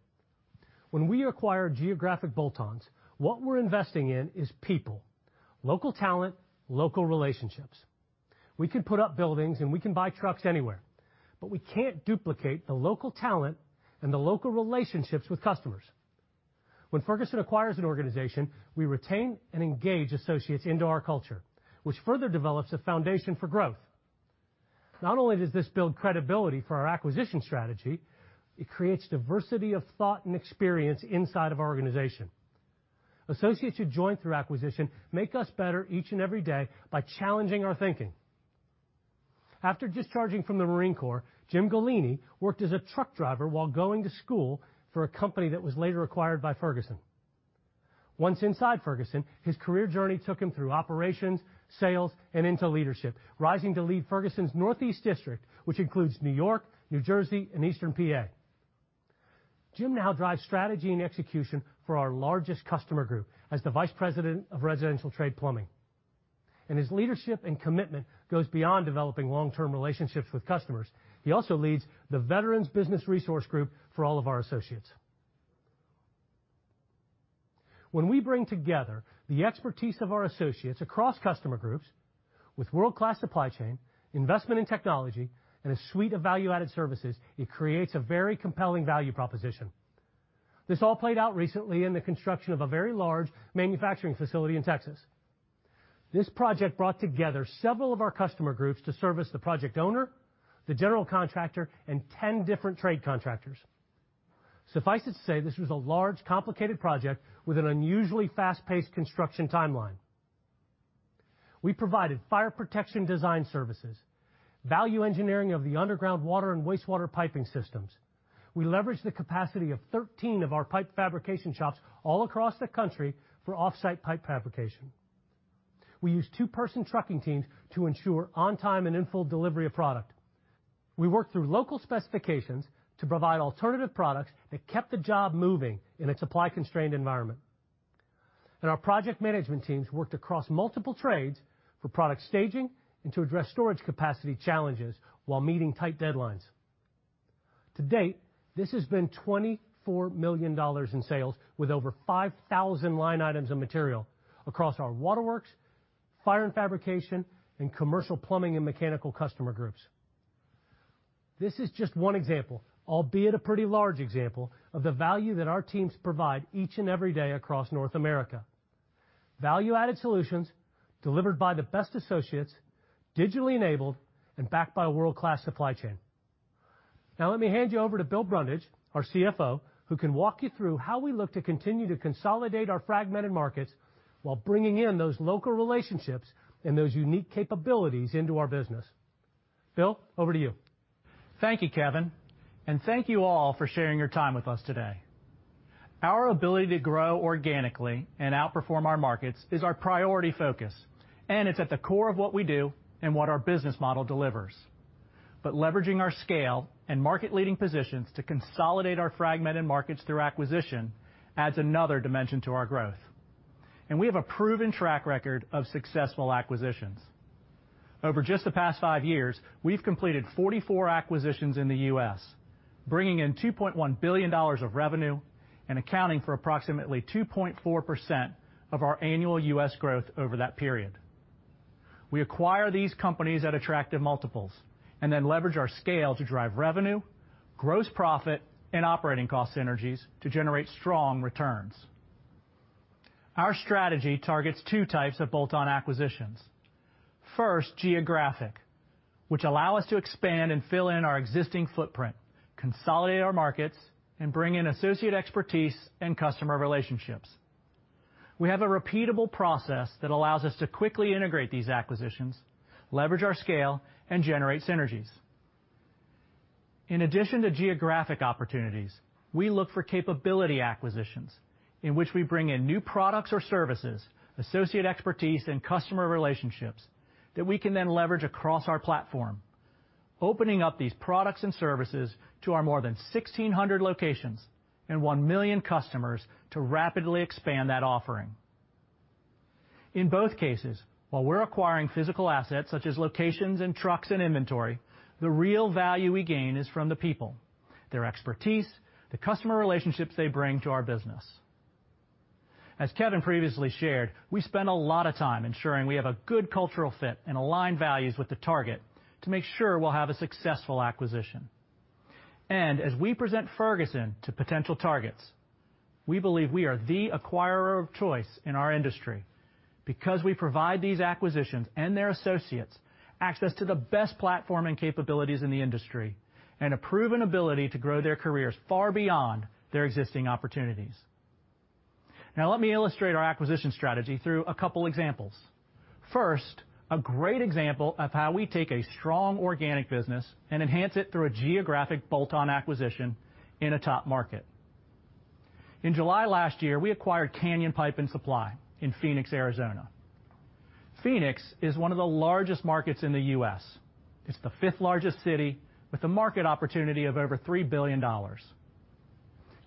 When we acquire geographic bolt-ons, what we're investing in is people, local talent, local relationships. We can put up buildings, and we can buy trucks anywhere, but we can't duplicate the local talent and the local relationships with customers. When Ferguson acquires an organization, we retain and engage associates into our culture, which further develops a foundation for growth. Not only does this build credibility for our acquisition strategy, it creates diversity of thought and experience inside of our organization. Associates who join through acquisition make us better each and every day by challenging our thinking. After discharging from the Marine Corps, James Golini worked as a truck driver while going to school for a company that was later acquired by Ferguson. Once inside Ferguson, his career journey took him through operations, sales, and into leadership, rising to lead Ferguson's Northeast District, which includes New York, New Jersey, and eastern PA. Jim now drives strategy and execution for our largest customer group as the Vice President of residential trade plumbing, and his leadership and commitment goes beyond developing long-term relationships with customers. He also leads the Veterans Business Resource Group for all of our associates. When we bring together the expertise of our associates across customer groups with world-class supply chain, investment in technology, and a suite of value-added services, it creates a very compelling value proposition. This all played out recently in the construction of a very large manufacturing facility in Texas. This project brought together several of our customer groups to service the project owner, the general contractor, and 10 different trade contractors. Suffice it to say, this was a large, complicated project with an unusually fast-paced construction timeline. We provided fire protection design services, value engineering of the underground water and wastewater piping systems. We leveraged the capacity of 13 of our pipe fabrication shops all across the country for off-site pipe fabrication. We used two-person trucking teams to ensure on-time and in-full delivery of product. We worked through local specifications to provide alternative products that kept the job moving in a supply-constrained environment. Our project management teams worked across multiple trades for product staging and to address storage capacity challenges while meeting tight deadlines. To date, this has been $24 million in sales with over 5,000 line items of material across our waterworks, fire and fabrication, and commercial plumbing and mechanical customer groups. This is just one example, albeit a pretty large example, of the value that our teams provide each and every day across North America. Value-added solutions delivered by the best associates, digitally enabled, and backed by a world-class supply chain. Now, let me hand you over to Bill Brundage, our CFO, who can walk you through how we look to continue to consolidate our fragmented markets while bringing in those local relationships and those unique capabilities into our business. Bill, over to you. Thank you, Kevin, and thank you all for sharing your time with us today. Our ability to grow organically and outperform our markets is our priority focus, and it's at the core of what we do and what our business model delivers. Leveraging our scale and market-leading positions to consolidate our fragmented markets through acquisition adds another dimension to our growth, and we have a proven track record of successful acquisitions. Over just the past five years, we've completed 44 acquisitions in the U.S., bringing in $2.1 billion of revenue and accounting for approximately 2.4% of our annual U.S. growth over that period. We acquire these companies at attractive multiples and then leverage our scale to drive revenue, gross profit, and operating cost synergies to generate strong returns. Our strategy targets two types of bolt-on acquisitions. First, geographic, which allow us to expand and fill in our existing footprint, consolidate our markets, and bring in associate expertise and customer relationships. We have a repeatable process that allows us to quickly integrate these acquisitions, leverage our scale, and generate synergies. In addition to geographic opportunities, we look for capability acquisitions in which we bring in new products or services, associate expertise, and customer relationships that we can then leverage across our platform, opening up these products and services to our more than 1,600 locations and 1 million customers to rapidly expand that offering. In both cases, while we're acquiring physical assets such as locations and trucks and inventory, the real value we gain is from the people, their expertise, the customer relationships they bring to our business. As Kevin previously shared, we spend a lot of time ensuring we have a good cultural fit and aligned values with the target to make sure we'll have a successful acquisition. As we present Ferguson to potential targets. We believe we are the acquirer of choice in our industry because we provide these acquisitions and their associates access to the best platform and capabilities in the industry and a proven ability to grow their careers far beyond their existing opportunities. Now, let me illustrate our acquisition strategy through a couple examples. First, a great example of how we take a strong organic business and enhance it through a geographic bolt-on acquisition in a top market. In July last year, we acquired Canyon Pipe & Supply in Phoenix, Arizona. Phoenix is one of the largest markets in the U.S. It's the 5th largest city with a market opportunity of over $3 billion.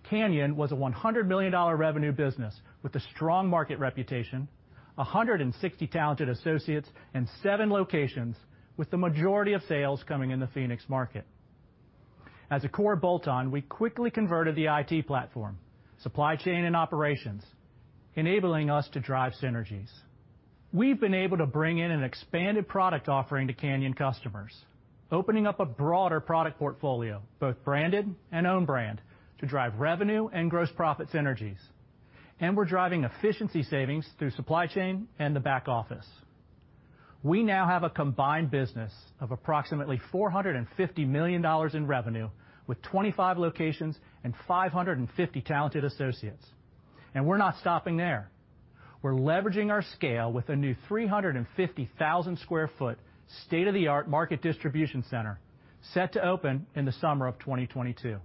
Canyon was a $100 million revenue business with a strong market reputation, 160 talented associates and 7 locations, with the majority of sales coming in the Phoenix market. As a core bolt-on, we quickly converted the IT platform, supply chain and operations, enabling us to drive synergies. We've been able to bring in an expanded product offering to Canyon customers, opening up a broader product portfolio, both branded and own brand, to drive revenue and gross profit synergies. We're driving efficiency savings through supply chain and the back office. We now have a combined business of approximately $450 million in revenue with 25 locations and 550 talented associates. We're not stopping there. We're leveraging our scale with a new 350,000 sq ft state-of-the-art market distribution center set to open in the summer of 2022,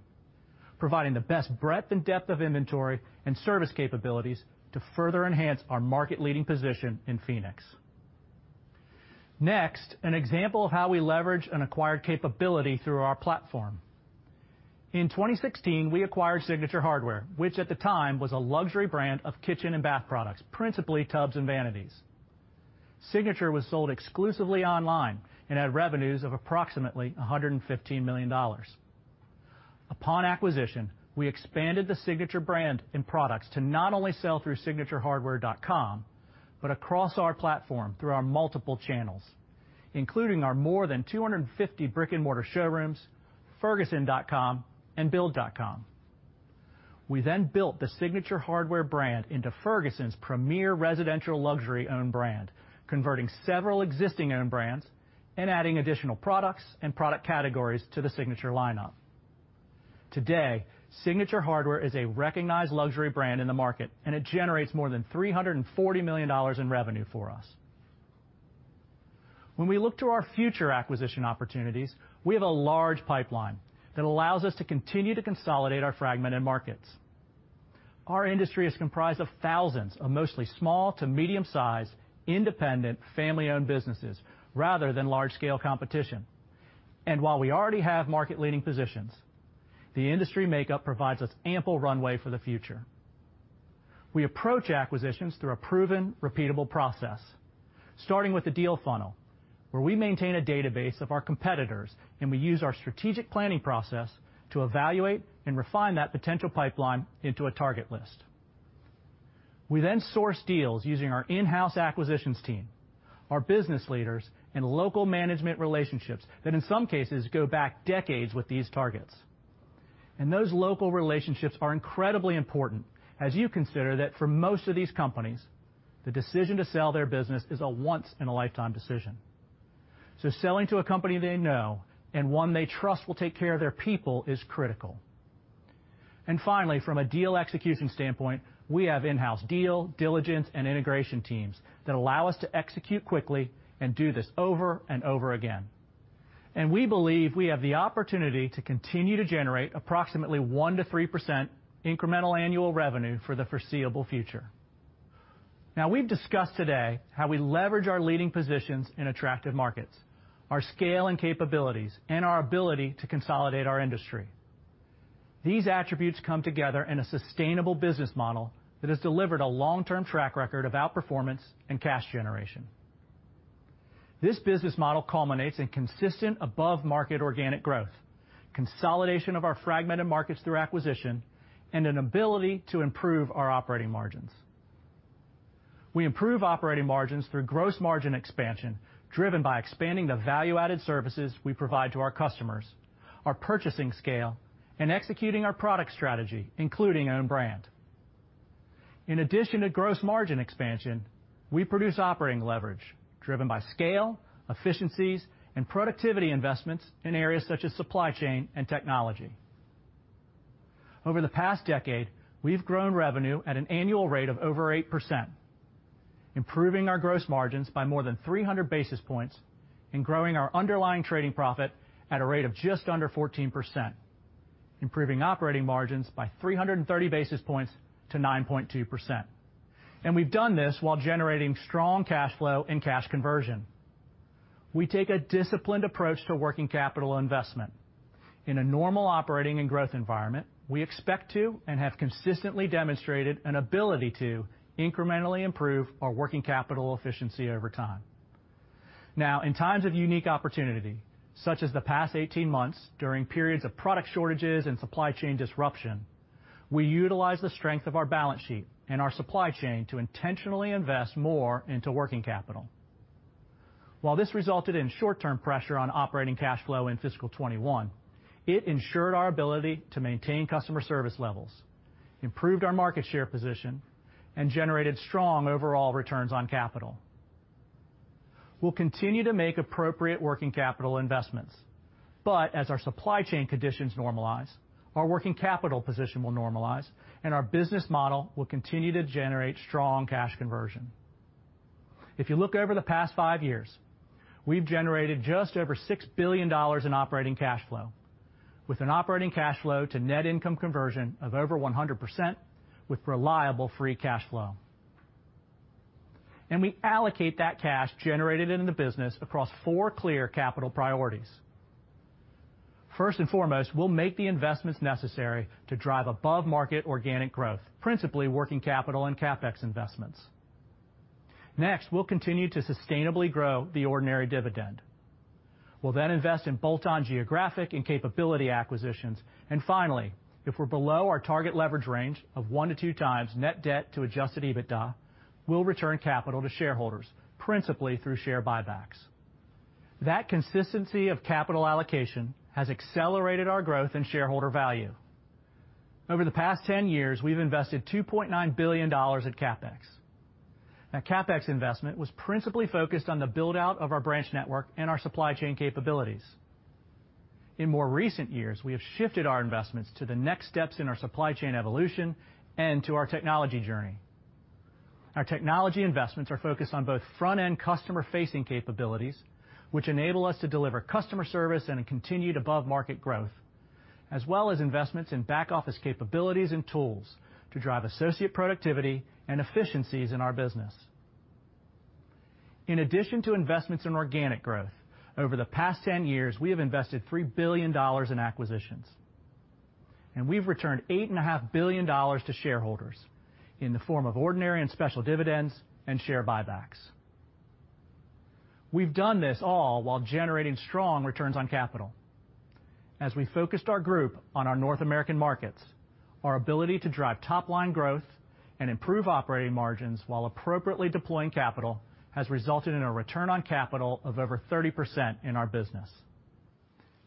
providing the best breadth and depth of inventory and service capabilities to further enhance our market-leading position in Phoenix. Next, an example of how we leverage an acquired capability through our platform. In 2016, we acquired Signature Hardware, which at the time was a luxury brand of kitchen and bath products, principally tubs and vanities. Signature was sold exclusively online and had revenues of approximately $115 million. Upon acquisition, we expanded the Signature brand in products to not only sell through signaturehardware.com, but across our platform through our multiple channels, including our more than 250 brick-and-mortar showrooms, ferguson.com and build.com. We then built the Signature Hardware brand into Ferguson's premier residential luxury own brand, converting several existing own brands and adding additional products and product categories to the Signature lineup. Today, Signature Hardware is a recognized luxury brand in the market, and it generates more than $340 million in revenue for us. When we look to our future acquisition opportunities, we have a large pipeline that allows us to continue to consolidate our fragmented markets. Our industry is comprised of thousands of mostly small to medium-size, independent, family-owned businesses rather than large-scale competition. While we already have market-leading positions, the industry makeup provides us ample runway for the future. We approach acquisitions through a proven repeatable process, starting with the deal funnel, where we maintain a database of our competitors, and we use our strategic planning process to evaluate and refine that potential pipeline into a target list. We then source deals using our in-house acquisitions team, our business leaders, and local management relationships that in some cases go back decades with these targets. Those local relationships are incredibly important as you consider that for most of these companies, the decision to sell their business is a once-in-a-lifetime decision. Selling to a company they know and one they trust will take care of their people is critical. Finally, from a deal execution standpoint, we have in-house deal, diligence, and integration teams that allow us to execute quickly and do this over and over again. We believe we have the opportunity to continue to generate approximately 1%-3% incremental annual revenue for the foreseeable future. Now, we've discussed today how we leverage our leading positions in attractive markets, our scale and capabilities, and our ability to consolidate our industry. These attributes come together in a sustainable business model that has delivered a long-term track record of outperformance and cash generation. This business model culminates in consistent above-market organic growth, consolidation of our fragmented markets through acquisition, and an ability to improve our operating margins. We improve operating margins through gross margin expansion driven by expanding the value-added services we provide to our customers, our purchasing scale, and executing our product strategy, including own brand. In addition to gross margin expansion, we produce operating leverage driven by scale, efficiencies, and productivity investments in areas such as supply chain and technology. Over the past decade, we've grown revenue at an annual rate of over 8%, improving our gross margins by more than 300 basis points and growing our underlying trading profit at a rate of just under 14%, improving operating margins by 330 basis points to 9.2%. We've done this while generating strong cash flow and cash conversion. We take a disciplined approach to working capital investment. In a normal operating and growth environment, we expect to, and have consistently demonstrated an ability to incrementally improve our working capital efficiency over time. Now, in times of unique opportunity, such as the past 18 months during periods of product shortages and supply chain disruption, we utilize the strength of our balance sheet and our supply chain to intentionally invest more into working capital. While this resulted in short-term pressure on operating cash flow in fiscal 2021, it ensured our ability to maintain customer service levels, improved our market share position, and generated strong overall returns on capital. We'll continue to make appropriate working capital investments, but as our supply chain conditions normalize, our working capital position will normalize, and our business model will continue to generate strong cash conversion. If you look over the past five years, we've generated just over $6 billion in operating cash flow, with an operating cash flow to net income conversion of over 100% with reliable free cash flow. We allocate that cash generated in the business across four clear capital priorities. First and foremost, we'll make the investments necessary to drive above-market organic growth, principally working capital and CapEx investments. Next, we'll continue to sustainably grow the ordinary dividend. We'll then invest in bolt-on geographic and capability acquisitions. Finally, if we're below our target leverage range of one to two times net debt to adjusted EBITDA, we'll return capital to shareholders, principally through share buybacks. That consistency of capital allocation has accelerated our growth and shareholder value. Over the past 10 years, we've invested $2.9 billion in CapEx. CapEx investment was principally focused on the build-out of our branch network and our supply chain capabilities. In more recent years, we have shifted our investments to the next steps in our supply chain evolution and to our technology journey. Our technology investments are focused on both front-end customer-facing capabilities, which enable us to deliver customer service and a continued above-market growth, as well as investments in back-office capabilities and tools to drive associate productivity and efficiencies in our business. In addition to investments in organic growth, over the past 10 years, we have invested $3 billion in acquisitions, and we've returned $8.5 billion to shareholders in the form of ordinary and special dividends and share buybacks. We've done this all while generating strong returns on capital. As we focused our group on our North American markets, our ability to drive top-line growth and improve operating margins while appropriately deploying capital has resulted in a return on capital of over 30% in our business.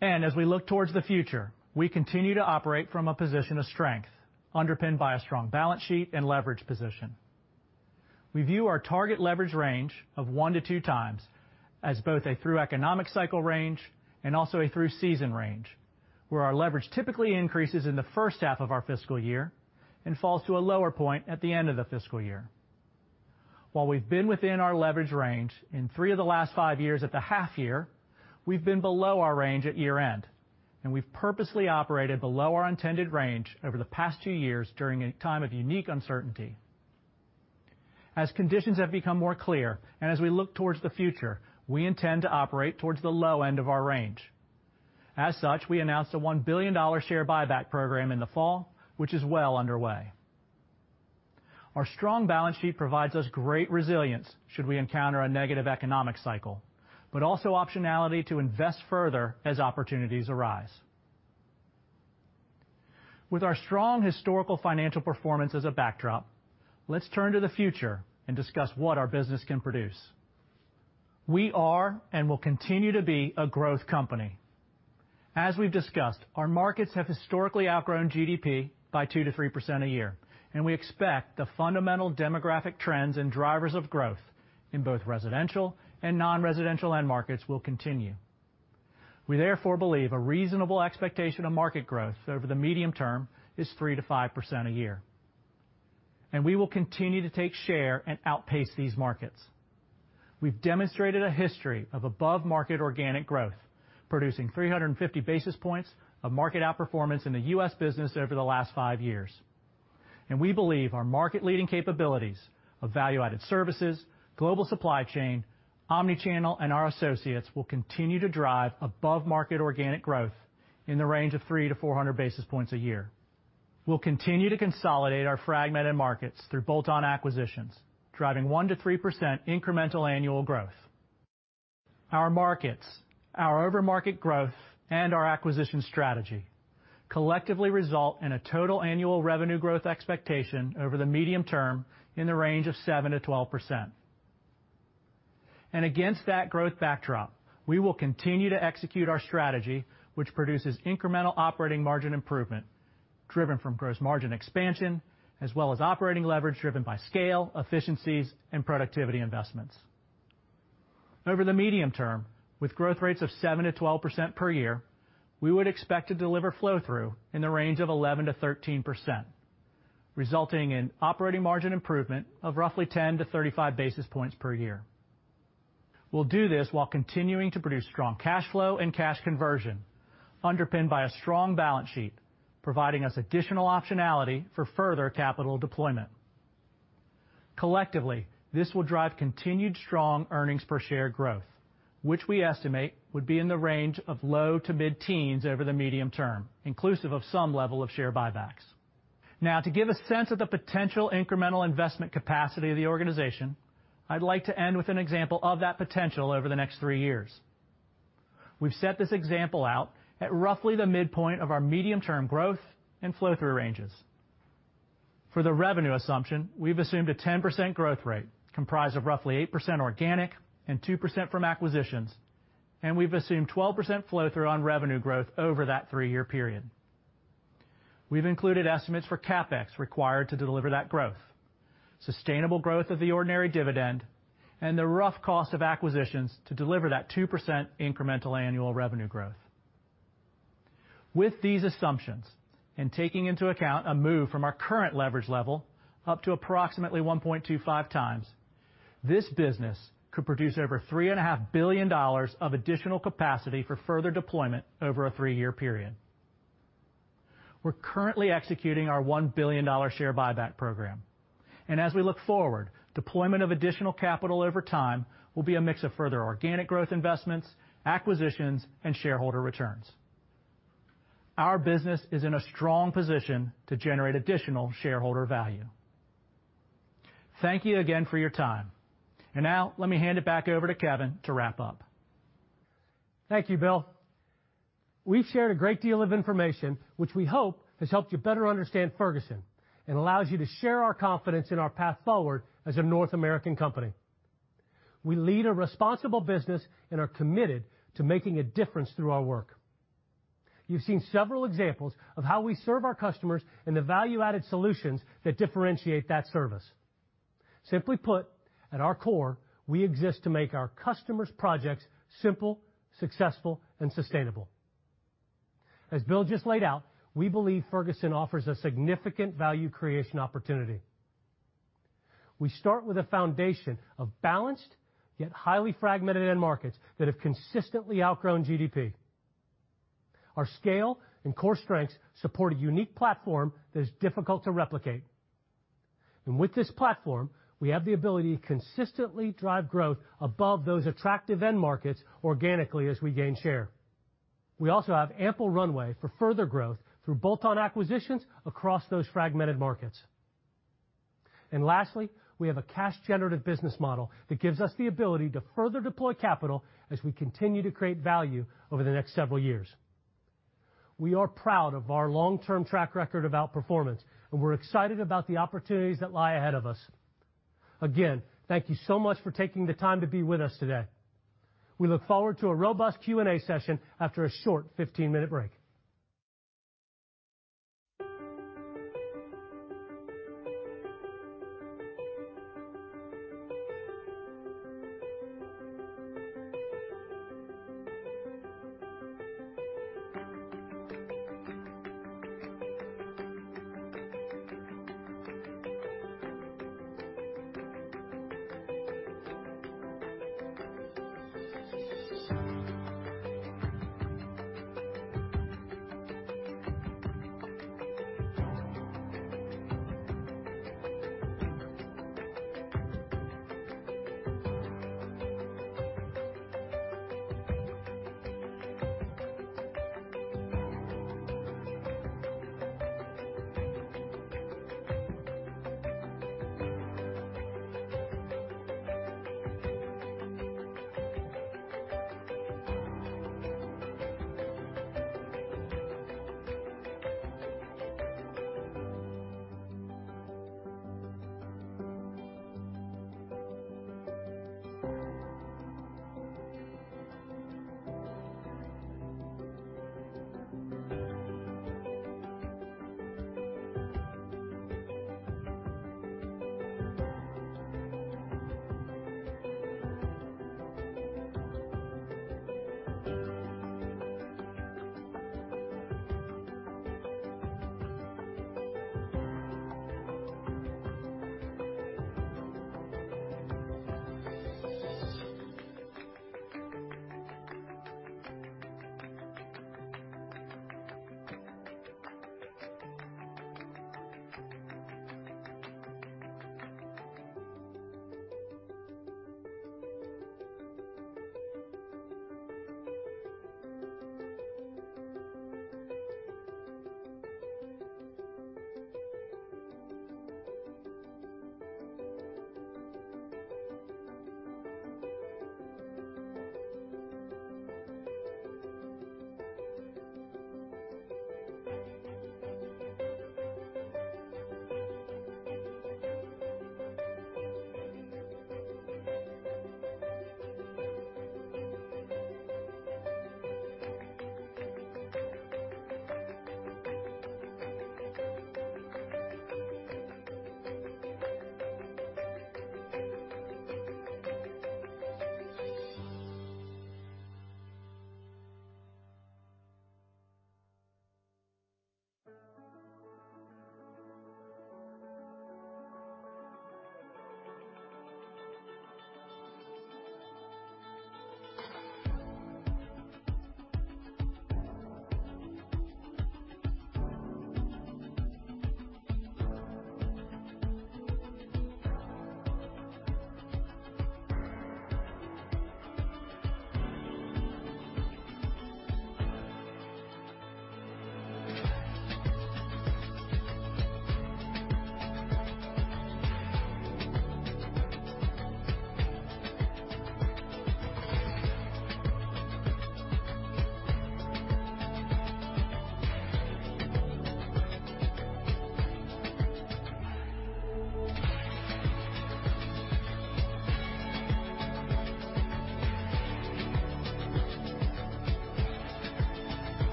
As we look towards the future, we continue to operate from a position of strength underpinned by a strong balance sheet and leverage position. We view our target leverage range of one to two times as both a through economic cycle range and also a through season range, where our leverage typically increases in the first half of our fiscal year and falls to a lower point at the end of the fiscal year. While we've been within our leverage range in three of the last five years at the half year, we've been below our range at year-end, and we've purposely operated below our intended range over the past two years during a time of unique uncertainty. As conditions have become more clear, and as we look towards the future, we intend to operate towards the low end of our range. As such, we announced a $1 billion share buyback program in the fall, which is well underway. Our strong balance sheet provides us great resilience should we encounter a negative economic cycle, but also optionality to invest further as opportunities arise. With our strong historical financial performance as a backdrop, let's turn to the future and discuss what our business can produce. We are and will continue to be a growth company. As we've discussed, our markets have historically outgrown GDP by 2%-3% a year, and we expect the fundamental demographic trends and drivers of growth in both residential and non-residential end markets will continue. We therefore believe a reasonable expectation of market growth over the medium term is 3%-5% a year. We will continue to take share and outpace these markets. We've demonstrated a history of above-market organic growth, producing 350 basis points of market outperformance in the U.S. business over the last five years. We believe our market-leading capabilities of value-added services, global supply chain, omni-channel, and our associates will continue to drive above-market organic growth in the range of 300-400 basis points a year. We'll continue to consolidate our fragmented markets through bolt-on acquisitions, driving 1%-3% incremental annual growth. Our markets, our overmarket growth, and our acquisition strategy collectively result in a total annual revenue growth expectation over the medium term in the range of 7%-12%. Against that growth backdrop, we will continue to execute our strategy, which produces incremental operating margin improvement driven from gross margin expansion as well as operating leverage driven by scale, efficiencies, and productivity investments. Over the medium term, with growth rates of 7%-12% per year, we would expect to deliver flow-through in the range of 11%-13%, resulting in operating margin improvement of roughly 10-35 basis points per year. We'll do this while continuing to produce strong cash flow and cash conversion underpinned by a strong balance sheet, providing us additional optionality for further capital deployment. Collectively, this will drive continued strong earnings per share growth, which we estimate would be in the range of low to mid-teens over the medium term, inclusive of some level of share buybacks. Now, to give a sense of the potential incremental investment capacity of the organization, I'd like to end with an example of that potential over the next three years. We've set this example out at roughly the midpoint of our medium-term growth and flow-through ranges. For the revenue assumption, we've assumed a 10% growth rate comprised of roughly 8% organic and 2% from acquisitions, and we've assumed 12% flow-through on revenue growth over that three-year period. We've included estimates for CapEx required to deliver that growth, sustainable growth of the ordinary dividend, and the rough cost of acquisitions to deliver that 2% incremental annual revenue growth. With these assumptions, and taking into account a move from our current leverage level up to approximately 1.25x, this business could produce over $3.5 billion of additional capacity for further deployment over a three-year period. We're currently executing our $1 billion share buyback program. As we look forward, deployment of additional capital over time will be a mix of further organic growth investments, acquisitions, and shareholder returns. Our business is in a strong position to generate additional shareholder value. Thank you again for your time. Now let me hand it back over to Kevin to wrap up. Thank you, Bill. We've shared a great deal of information which we hope has helped you better understand Ferguson and allows you to share our confidence in our path forward as a North American company. We lead a responsible business and are committed to making a difference through our work. You've seen several examples of how we serve our customers and the value-added solutions that differentiate that service. Simply put, at our core, we exist to make our customers' projects simple, successful, and sustainable. As Bill just laid out, we believe Ferguson offers a significant value creation opportunity. We start with a foundation of balanced yet highly fragmented end markets that have consistently outgrown GDP. Our scale and core strengths support a unique platform that is difficult to replicate. With this platform, we have the ability to consistently drive growth above those attractive end markets organically as we gain share. We also have ample runway for further growth through bolt-on acquisitions across those fragmented markets. Lastly, we have a cash generative business model that gives us the ability to further deploy capital as we continue to create value over the next several years. We are proud of our long-term track record of outperformance, and we're excited about the opportunities that lie ahead of us. Again, thank you so much for taking the time to be with us today. We look forward to a robust Q&A session after a short 15-minute break.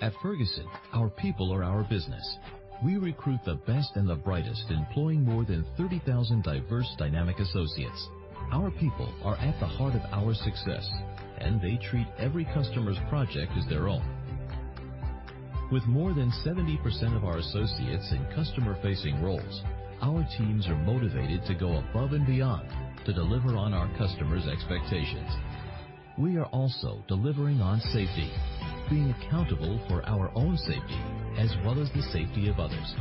At Ferguson, our people are our business. We recruit the best and the brightest, employing more than 30,000 diverse, dynamic associates. Our people are at the heart of our success, and they treat every customer's project as their own. With more than 70% of our associates in customer-facing roles, our teams are motivated to go above and beyond to deliver on our customers' expectations. We are also delivering on safety. Being accountable for our own safety, as well as the safety of others.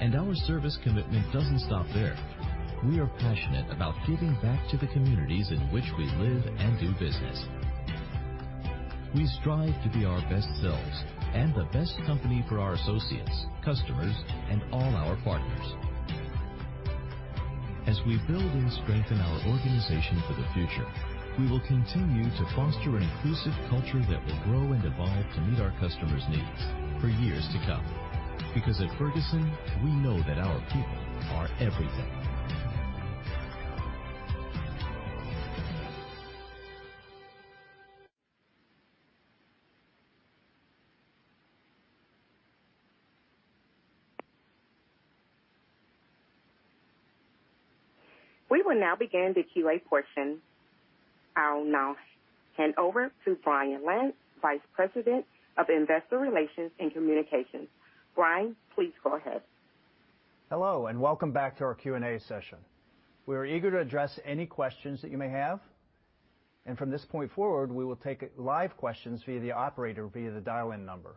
Our service commitment doesn't stop there. We are passionate about giving back to the communities in which we live and do business. We strive to be our best selves and the best company for our associates, customers, and all our partners. As we build and strengthen our organization for the future, we will continue to foster an inclusive culture that will grow and evolve to meet our customers' needs for years to come. Because at Ferguson, we know that our people are everything. We will now begin the Q&A portion. I'll now hand over to Brian Lantz, Vice President of Investor Relations and Communications. Brian, please go ahead. Hello, and welcome back to our Q&A session. We are eager to address any questions that you may have. From this point forward, we will take live questions via the operator via the dial-in number.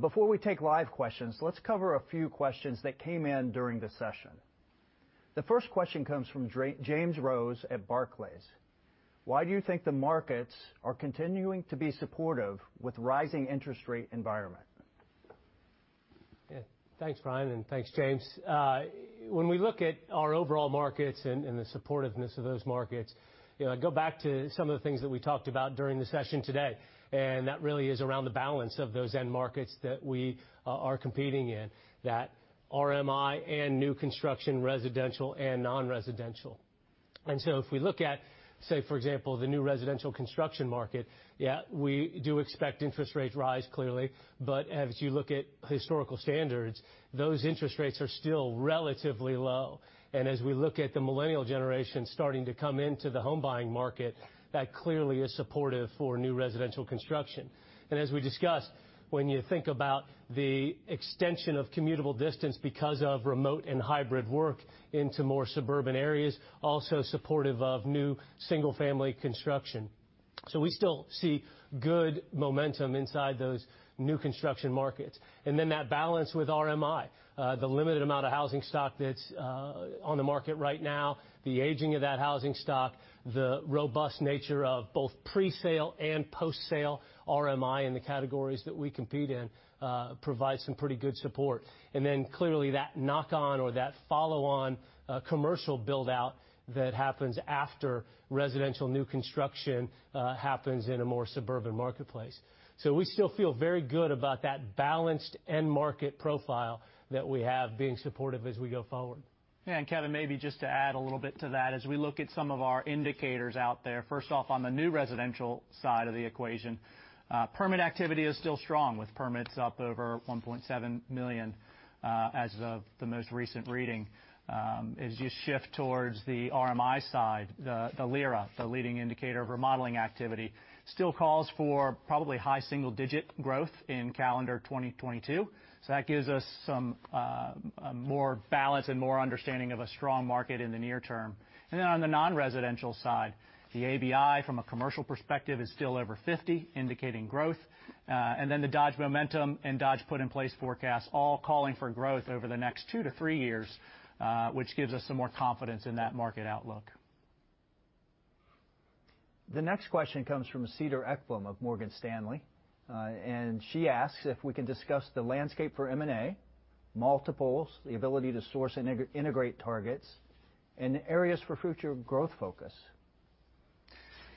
Before we take live questions, let's cover a few questions that came in during the session. The first question comes from James Rose at Barclays. Why do you think the markets are continuing to be supportive with rising interest rate environment? Yeah. Thanks, Brian, and thanks, James. When we look at our overall markets and the supportiveness of those markets, you know, I go back to some of the things that we talked about during the session today, and that really is around the balance of those end markets that we are competing in, that RMI and new construction, residential and non-residential. If we look at, say, for example, the new residential construction market, yeah, we do expect interest rates rise clearly. As you look at historical standards, those interest rates are still relatively low. As we look at the Millennial generation starting to come into the home buying market, that clearly is supportive for new residential construction. As we discussed, when you think about the extension of commutable distance because of remote and hybrid work into more suburban areas, also supportive of new single-family construction. We still see good momentum inside those new construction markets. Then that balance with RMI, the limited amount of housing stock that's on the market right now, the aging of that housing stock, the robust nature of both presale and post-sale RMI in the categories that we compete in, provide some pretty good support. Then clearly that knock-on or that follow-on, commercial build-out that happens after residential new construction, happens in a more suburban marketplace. We still feel very good about that balanced end market profile that we have being supportive as we go forward. Yeah, Kevin, maybe just to add a little bit to that. As we look at some of our indicators out there, first off, on the new residential side of the equation, permit activity is still strong, with permits up over 1.7 million, as of the most recent reading. As you shift towards the RMI side, the LIRA, the leading indicator of remodeling activity, still calls for probably high single-digit growth in calendar 2022. That gives us some a more balanced and more understanding of a strong market in the near term. Then on the non-residential side, the ABI from a commercial perspective is still over 50, indicating growth. The Dodge Momentum Index and Dodge put in place forecasts all calling for growth over the next two to three years, which gives us some more confidence in that market outlook. The next question comes from Cedar Ekblom of Morgan Stanley. She asks if we can discuss the landscape for M&A, multiples, the ability to source and integrate targets and areas for future growth focus.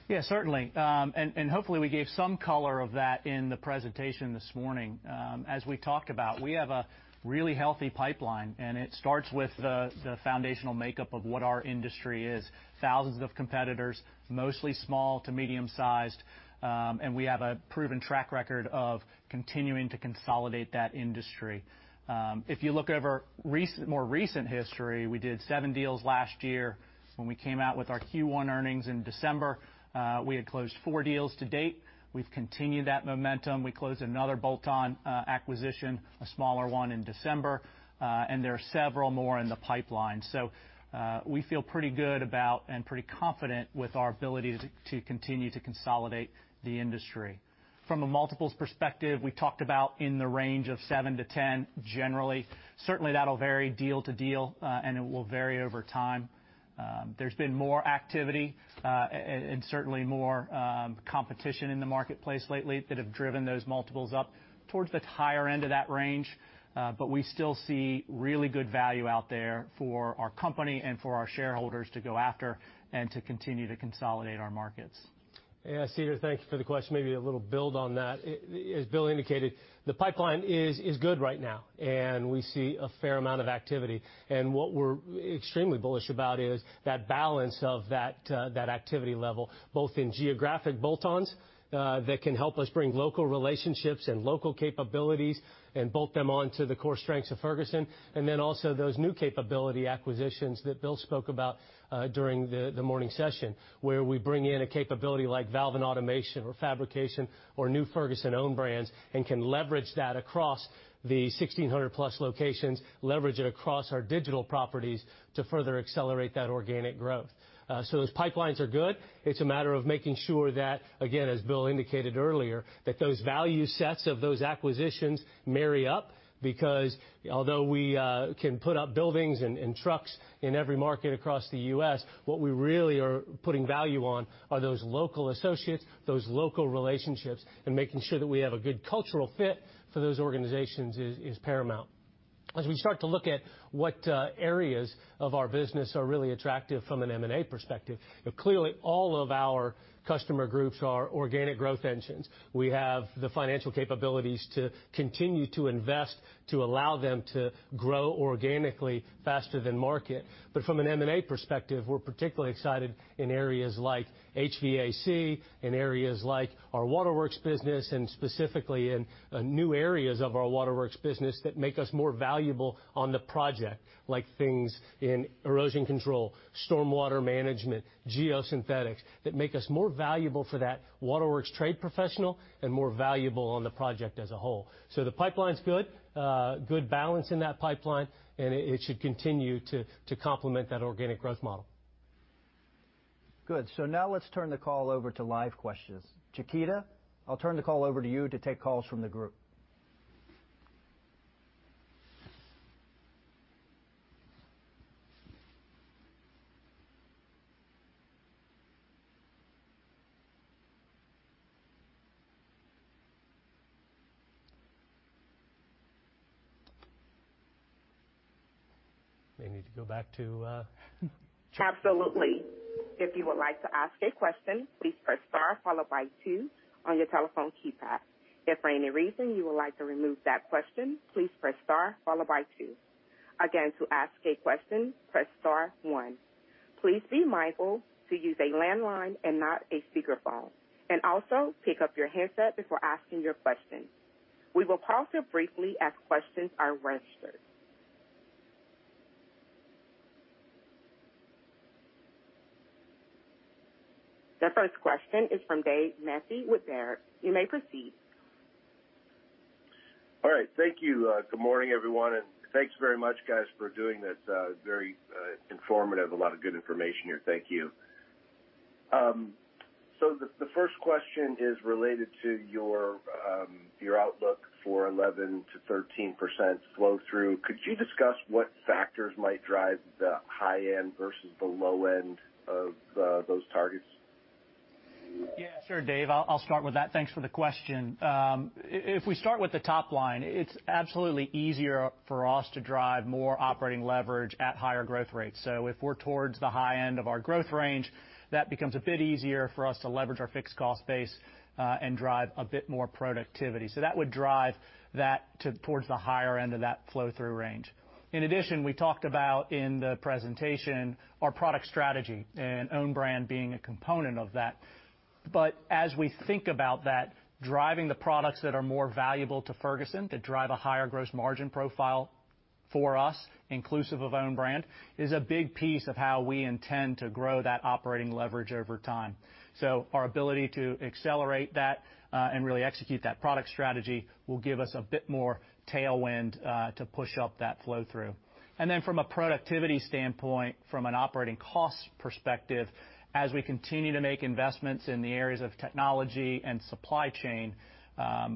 Yeah, certainly. Hopefully, we gave some color of that in the presentation this morning. As we talked about, we have a really healthy pipeline, and it starts with the foundational makeup of what our industry is. Thousands of competitors, mostly small to medium-sized, and we have a proven track record of continuing to consolidate that industry. If you look over more recent history, we did seven deals last year. When we came out with our Q1 earnings in December, we had closed four deals to date. We've continued that momentum. We closed another bolt-on acquisition, a smaller one in December, and there are several more in the pipeline. We feel pretty good about and pretty confident with our ability to continue to consolidate the industry. From a multiples perspective, we talked about in the range of 7-10, generally. Certainly, that'll vary deal to deal, and it will vary over time. There's been more activity and certainly more competition in the marketplace lately that have driven those multiples up towards the higher end of that range. We still see really good value out there for our company and for our shareholders to go after and to continue to consolidate our markets. Yeah, Cedar, thank you for the question. Maybe a little build on that. As Bill indicated, the pipeline is good right now, and we see a fair amount of activity. What we're extremely bullish about is that balance of that activity level, both in geographic bolt-ons, that can help us bring local relationships and local capabilities and bolt them onto the core strengths of Ferguson, and then also those new capability acquisitions that Bill spoke about, during the morning session, where we bring in a capability like valve and automation or fabrication or new Ferguson-owned brands and can leverage that across the 1,600+ locations, leverage it across our digital properties to further accelerate that organic growth. Those pipelines are good. It's a matter of making sure that, again, as Bill indicated earlier, that those value sets of those acquisitions marry up. Because although we can put up buildings and trucks in every market across the U.S., what we really are putting value on are those local associates, those local relationships, and making sure that we have a good cultural fit for those organizations is paramount. As we start to look at what areas of our business are really attractive from an M&A perspective, clearly all of our customer groups are organic growth engines. We have the financial capabilities to continue to invest to allow them to grow organically faster than market. But from an M&A perspective, we're particularly excited in areas like HVAC, in areas like our waterworks business, and specifically in new areas of our waterworks business that make us more valuable on the project. Like things in erosion control, stormwater management, geosynthetics, that make us more valuable for that waterworks trade professional and more valuable on the project as a whole. The pipeline is good balance in that pipeline, and it should continue to complement that organic growth model. Good. Now let's turn the call over to live questions. Chiquita, I'll turn the call over to you to take calls from the group. We may need to go back to. Absolutely. If you would like to ask a question, please press star followed by two on your telephone keypad. If for any reason you would like to remove that question, please press star followed by two. Again, to ask a question, press star one. Please be mindful to use a landline and not a speakerphone. Also pick up your handset before asking your question. We will pause here briefly as questions are registered. The first question is from David Manthey with Baird. You may proceed. All right. Thank you. Good morning, everyone, and thanks very much, guys, for doing this. Very informative, a lot of good information here. Thank you. So the first question is related to your outlook for 11%-13% flow through. Could you discuss what factors might drive the high end versus the low end of those targets? Yeah, sure, Dave. I'll start with that. Thanks for the question. If we start with the top line, it's absolutely easier for us to drive more operating leverage at higher growth rates. If we're towards the high end of our growth range, that becomes a bit easier for us to leverage our fixed cost base, and drive a bit more productivity. That would drive that towards the higher end of that flow through range. In addition, we talked about in the presentation our product strategy and own brand being a component of that. As we think about that, driving the products that are more valuable to Ferguson, that drive a higher gross margin profile for us, inclusive of own brand, is a big piece of how we intend to grow that operating leverage over time. Our ability to accelerate that and really execute that product strategy will give us a bit more tailwind to push up that flow through. From a productivity standpoint, from an operating cost perspective, as we continue to make investments in the areas of technology and supply chain,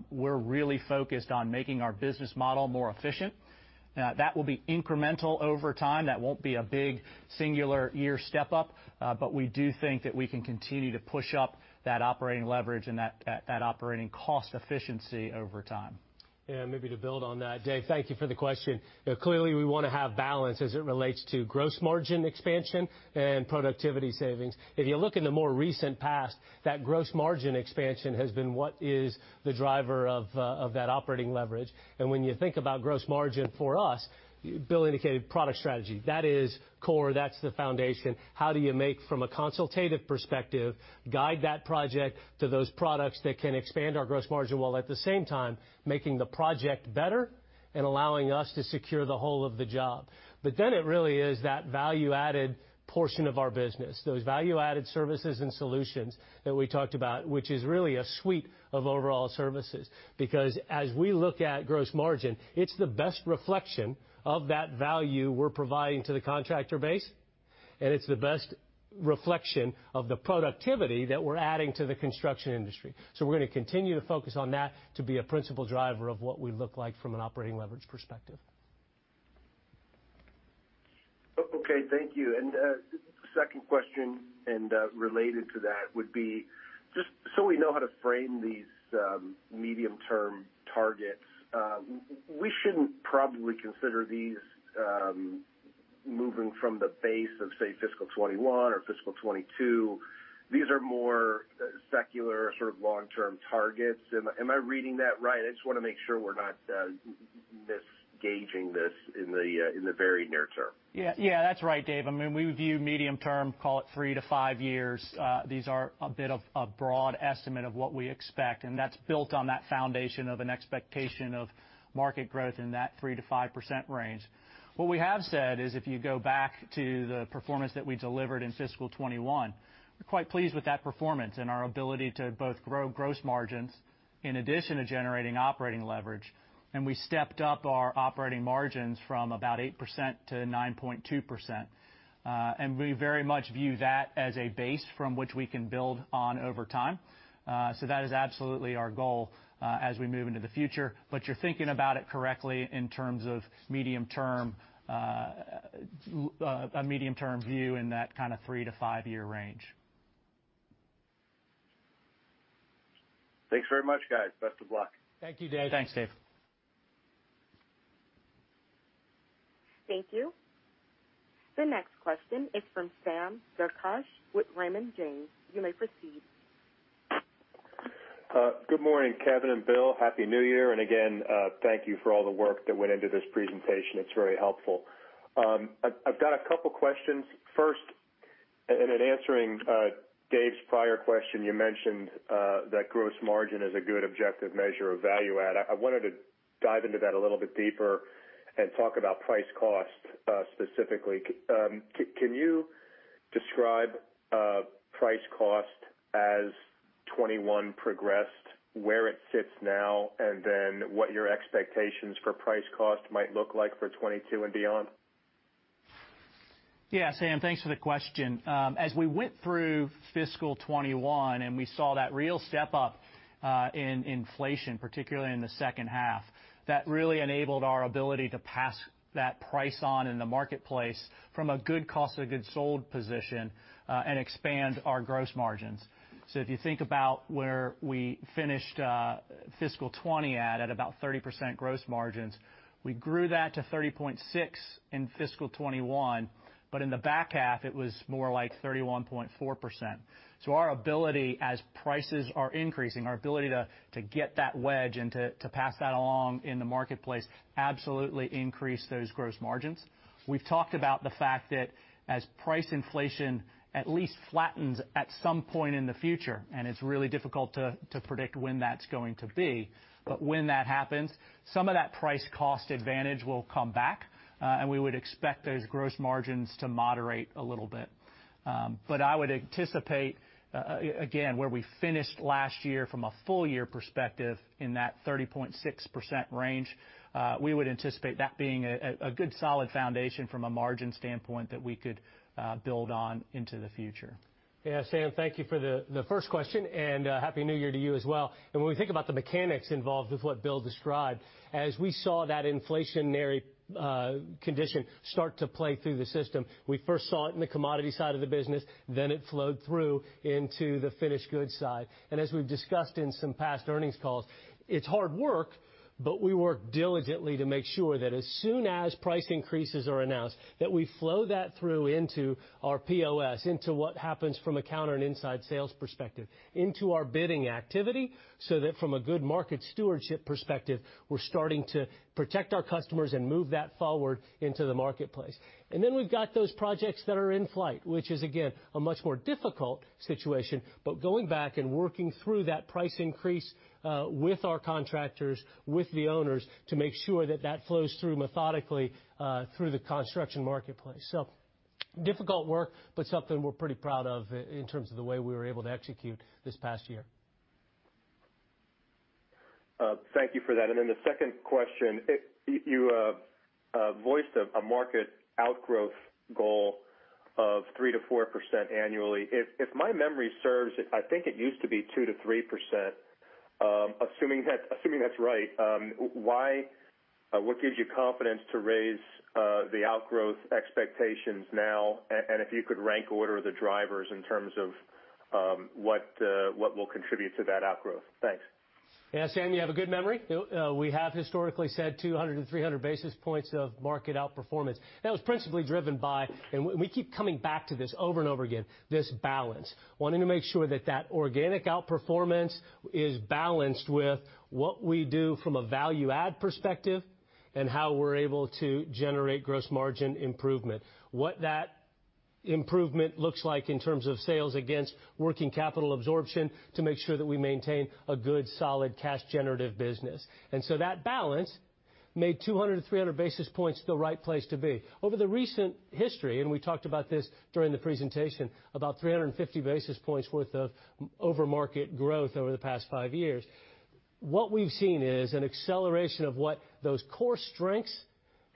we're really focused on making our business model more efficient. That will be incremental over time. That won't be a big singular year step up. We do think that we can continue to push up that operating leverage and that operating cost efficiency over time. Yeah, maybe to build on that, Dave, thank you for the question. Clearly, we wanna have balance as it relates to gross margin expansion and productivity savings. If you look in the more recent past, that gross margin expansion has been what is the driver of of that operating leverage. When you think about gross margin for us, Bill indicated product strategy. That is core, that's the foundation. How do you make from a consultative perspective, guide that project to those products that can expand our gross margin while at the same time making the project better and allowing us to secure the whole of the job. Then it really is that value-added portion of our business, those value-added services and solutions that we talked about, which is really a suite of overall services. Because as we look at gross margin, it's the best reflection of that value we're providing to the contractor base, and it's the best reflection of the productivity that we're adding to the construction industry. We're gonna continue to focus on that to be a principal driver of what we look like from an operating leverage perspective. Okay, thank you. Second question and related to that would be just so we know how to frame these medium-term targets, we shouldn't probably consider these moving from the base of, say, fiscal 2021 or fiscal 2022. These are more secular sort of long-term targets. Am I reading that right? I just wanna make sure we're not misgauging this in the very near term. Yeah, yeah, that's right, Dave. I mean, we view medium-term, call it three to five years. These are a bit of a broad estimate of what we expect, and that's built on that foundation of an expectation of market growth in that 3%-5% range. What we have said is if you go back to the performance that we delivered in fiscal 2021, we're quite pleased with that performance and our ability to both grow gross margins in addition to generating operating leverage. We stepped up our operating margins from about 8% to 9.2%. We very much view that as a base from which we can build on over time. That is absolutely our goal as we move into the future. You're thinking about it correctly in terms of medium-term, a medium-term view in that kinda three to five-year range. Thanks very much, guys. Best of luck. Thank you, Dave. Thanks, Dave. Thank you. The next question is from Sam Darkatsh with Raymond James. You may proceed. Good morning, Kevin and Bill. Happy New Year, and again, thank you for all the work that went into this presentation. It's very helpful. I've got a couple questions. First, in answering Dave's prior question, you mentioned that gross margin is a good objective measure of value add. I wanted to dive into that a little bit deeper and talk about price cost specifically. Can you describe price cost as 2021 progressed, where it sits now, and then what your expectations for price cost might look like for 2022 and beyond? Yeah, Sam, thanks for the question. As we went through fiscal 2021, and we saw that real step-up in inflation, particularly in the second half, that really enabled our ability to pass that price on in the marketplace from a goods cost to a goods sold position, and expand our gross margins. If you think about where we finished fiscal 2020 at about 30% gross margins, we grew that to 30.6% in fiscal 2021, but in the back half it was more like 31.4%. Our ability as prices are increasing, our ability to get that wedge and to pass that along in the marketplace absolutely increased those gross margins. We've talked about the fact that as price inflation at least flattens at some point in the future, and it's really difficult to predict when that's going to be, but when that happens, some of that price cost advantage will come back, and we would expect those gross margins to moderate a little bit. But I would anticipate, again, where we finished last year from a full year perspective in that 30.6% range, we would anticipate that being a good solid foundation from a margin standpoint that we could build on into the future. Yeah. Sam, thank you for the first question, and happy New Year to you as well. When we think about the mechanics involved with what Bill described, as we saw that inflationary condition start to play through the system, we first saw it in the commodity side of the business, then it flowed through into the finished goods side. As we've discussed in some past earnings calls, it's hard work, but we work diligently to make sure that as soon as price increases are announced, that we flow that through into our POS, into what happens from a counter and inside sales perspective, into our bidding activity, so that from a good market stewardship perspective, we're starting to protect our customers and move that forward into the marketplace. We've got those projects that are in flight, which is again, a much more difficult situation, but going back and working through that price increase, with our contractors, with the owners, to make sure that that flows through methodically, through the construction marketplace. Difficult work, but something we're pretty proud of in terms of the way we were able to execute this past year. Thank you for that. The second question. If you voiced a market outgrowth goal of 3%-4% annually. If my memory serves, I think it used to be 2%-3%. Assuming that's right, what gives you confidence to raise the outgrowth expectations now, and if you could rank order the drivers in terms of what will contribute to that outgrowth? Thanks. Yeah. Sam, you have a good memory. We have historically said 200-300 basis points of market outperformance. That was principally driven by, and we keep coming back to this over and over again, this balance, wanting to make sure that that organic outperformance is balanced with what we do from a value add perspective and how we're able to generate gross margin improvement. What that improvement looks like in terms of sales against working capital absorption to make sure that we maintain a good, solid cash generative business. That balance made 200-300 basis points the right place to be. Over the recent history, and we talked about this during the presentation, about 350 basis points worth of overmarket growth over the past five years. What we've seen is an acceleration of what those core strengths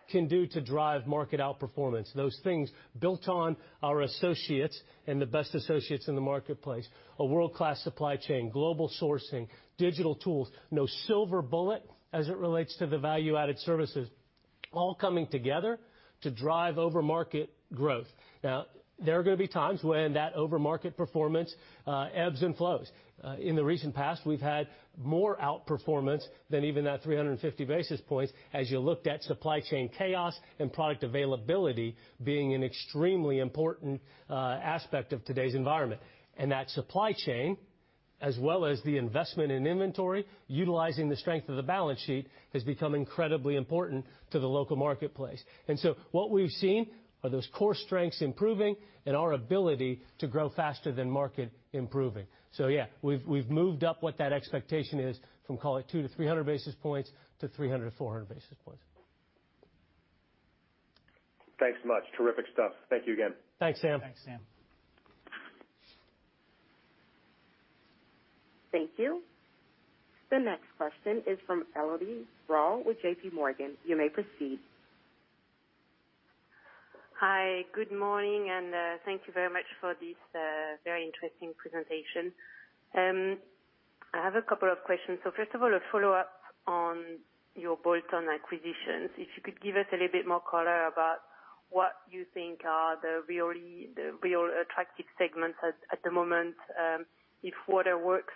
can do to drive market outperformance. Those things built on our associates and the best associates in the marketplace, a world-class supply chain, global sourcing, digital tools, no silver bullet as it relates to the value-added services, all coming together to drive overmarket growth. Now, there are gonna be times when that overmarket performance ebbs and flows. In the recent past, we've had more outperformance than even that 350 basis points as you looked at supply chain chaos and product availability being an extremely important aspect of today's environment. That supply chain, as well as the investment in inventory, utilizing the strength of the balance sheet, has become incredibly important to the local marketplace. What we've seen are those core strengths improving and our ability to grow faster than market improving. Yeah, we've moved up what that expectation is from call it 200-300 basis points to 300-400 basis points. Thanks much. Terrific stuff. Thank you again. Thanks, Sam. Thanks, Sam. Thank you. The next question is from Elodie Rall with JPMorgan. You may proceed. Hi, good morning, and thank you very much for this very interesting presentation. I have a couple of questions. First of all, a follow-up on your bolt-on acquisitions. If you could give us a little bit more color about what you think are the real attractive segments at the moment, if Waterworks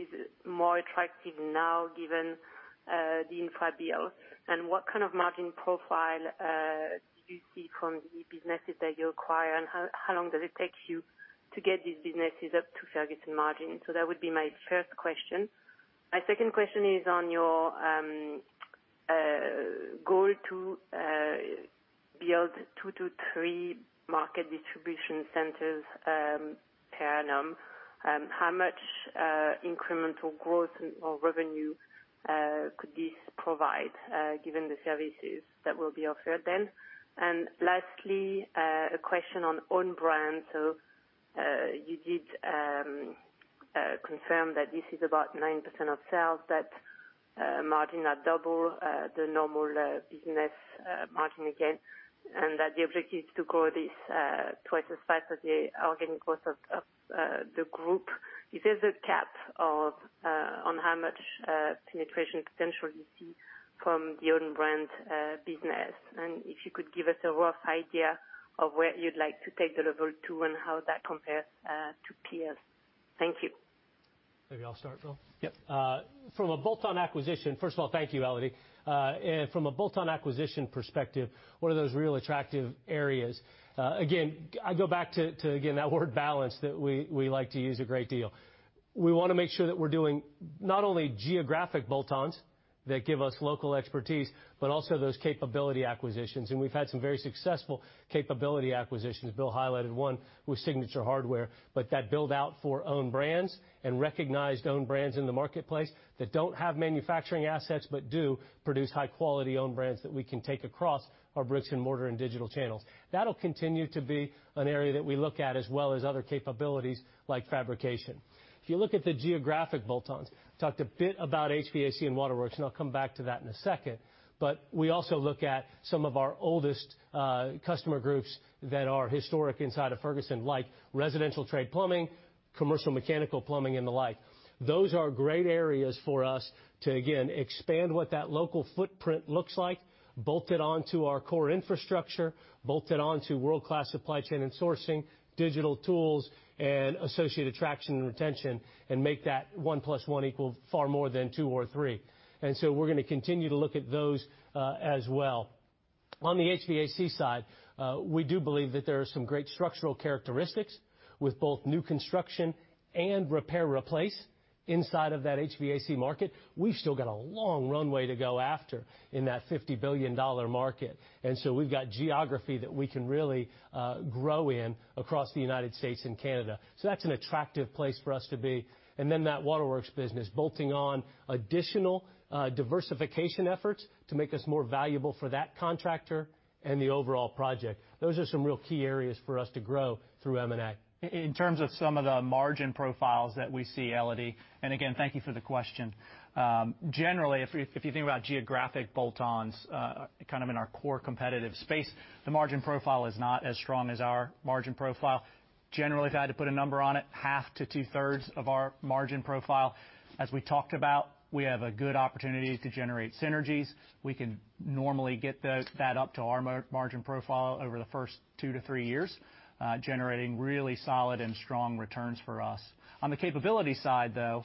is more attractive now given the infra bill? And what kind of margin profile do you see from the businesses that you acquire, and how long does it take you to get these businesses up to Ferguson margin? That would be my first question. My second question is on your goal to build 2-3 market distribution centers per annum. How much incremental growth or revenue could this provide, given the services that will be offered then? Lastly, a question on own brand. You did confirm that this is about 9% of sales, that margin are double the normal business margin again, and that the objective is to grow this twice as fast as the organic growth of the group. Is there a cap on how much penetration potential you see from the own brand business? If you could give us a rough idea of where you'd like to take the level to and how that compares to peers. Thank you. Maybe I'll start, Bill. Yep. From a bolt-on acquisition. First of all, thank you, Elodie. From a bolt-on acquisition perspective, what are those real attractive areas? Again, I go back to, again, that word balance that we like to use a great deal. We want to make sure that we're doing not only geographic bolt-ons that give us local expertise, but also those capability acquisitions. We've had some very successful capability acquisitions. Bill highlighted one with Signature Hardware. That build-out for own brands and recognized own brands in the marketplace that don't have manufacturing assets but do produce high-quality own brands that we can take across our bricks and mortar and digital channels. That'll continue to be an area that we look at, as well as other capabilities like fabrication. If you look at the geographic bolt-ons, talked a bit about HVAC and Waterworks, and I'll come back to that in a second, but we also look at some of our oldest, customer groups that are historic inside of Ferguson, like residential trade plumbing, commercial mechanical plumbing, and the like. Those are great areas for us to, again, expand what that local footprint looks like, bolt it on to our core infrastructure, bolt it on to world-class supply chain and sourcing, digital tools, and associated traction and retention, and make that one plus one equal far more than two or three. We're gonna continue to look at those, as well. On the HVAC side, we do believe that there are some great structural characteristics with both new construction and repair/replace inside of that HVAC market. We've still got a long runway to go after in that $50 billion market. We've got geography that we can really grow in across the United States and Canada. That's an attractive place for us to be. That Waterworks business, bolting on additional diversification efforts to make us more valuable for that contractor and the overall project. Those are some real key areas for us to grow through M&A. In terms of some of the margin profiles that we see, Elodie, and again, thank you for the question, generally, if you think about geographic bolt-ons, kind of in our core competitive space, the margin profile is not as strong as our margin profile. Generally, if I had to put a number on it, half to two-thirds of our margin profile. As we talked about, we have a good opportunity to generate synergies. We can normally get that up to our margin profile over the first two to three years, generating really solid and strong returns for us. On the capability side, though,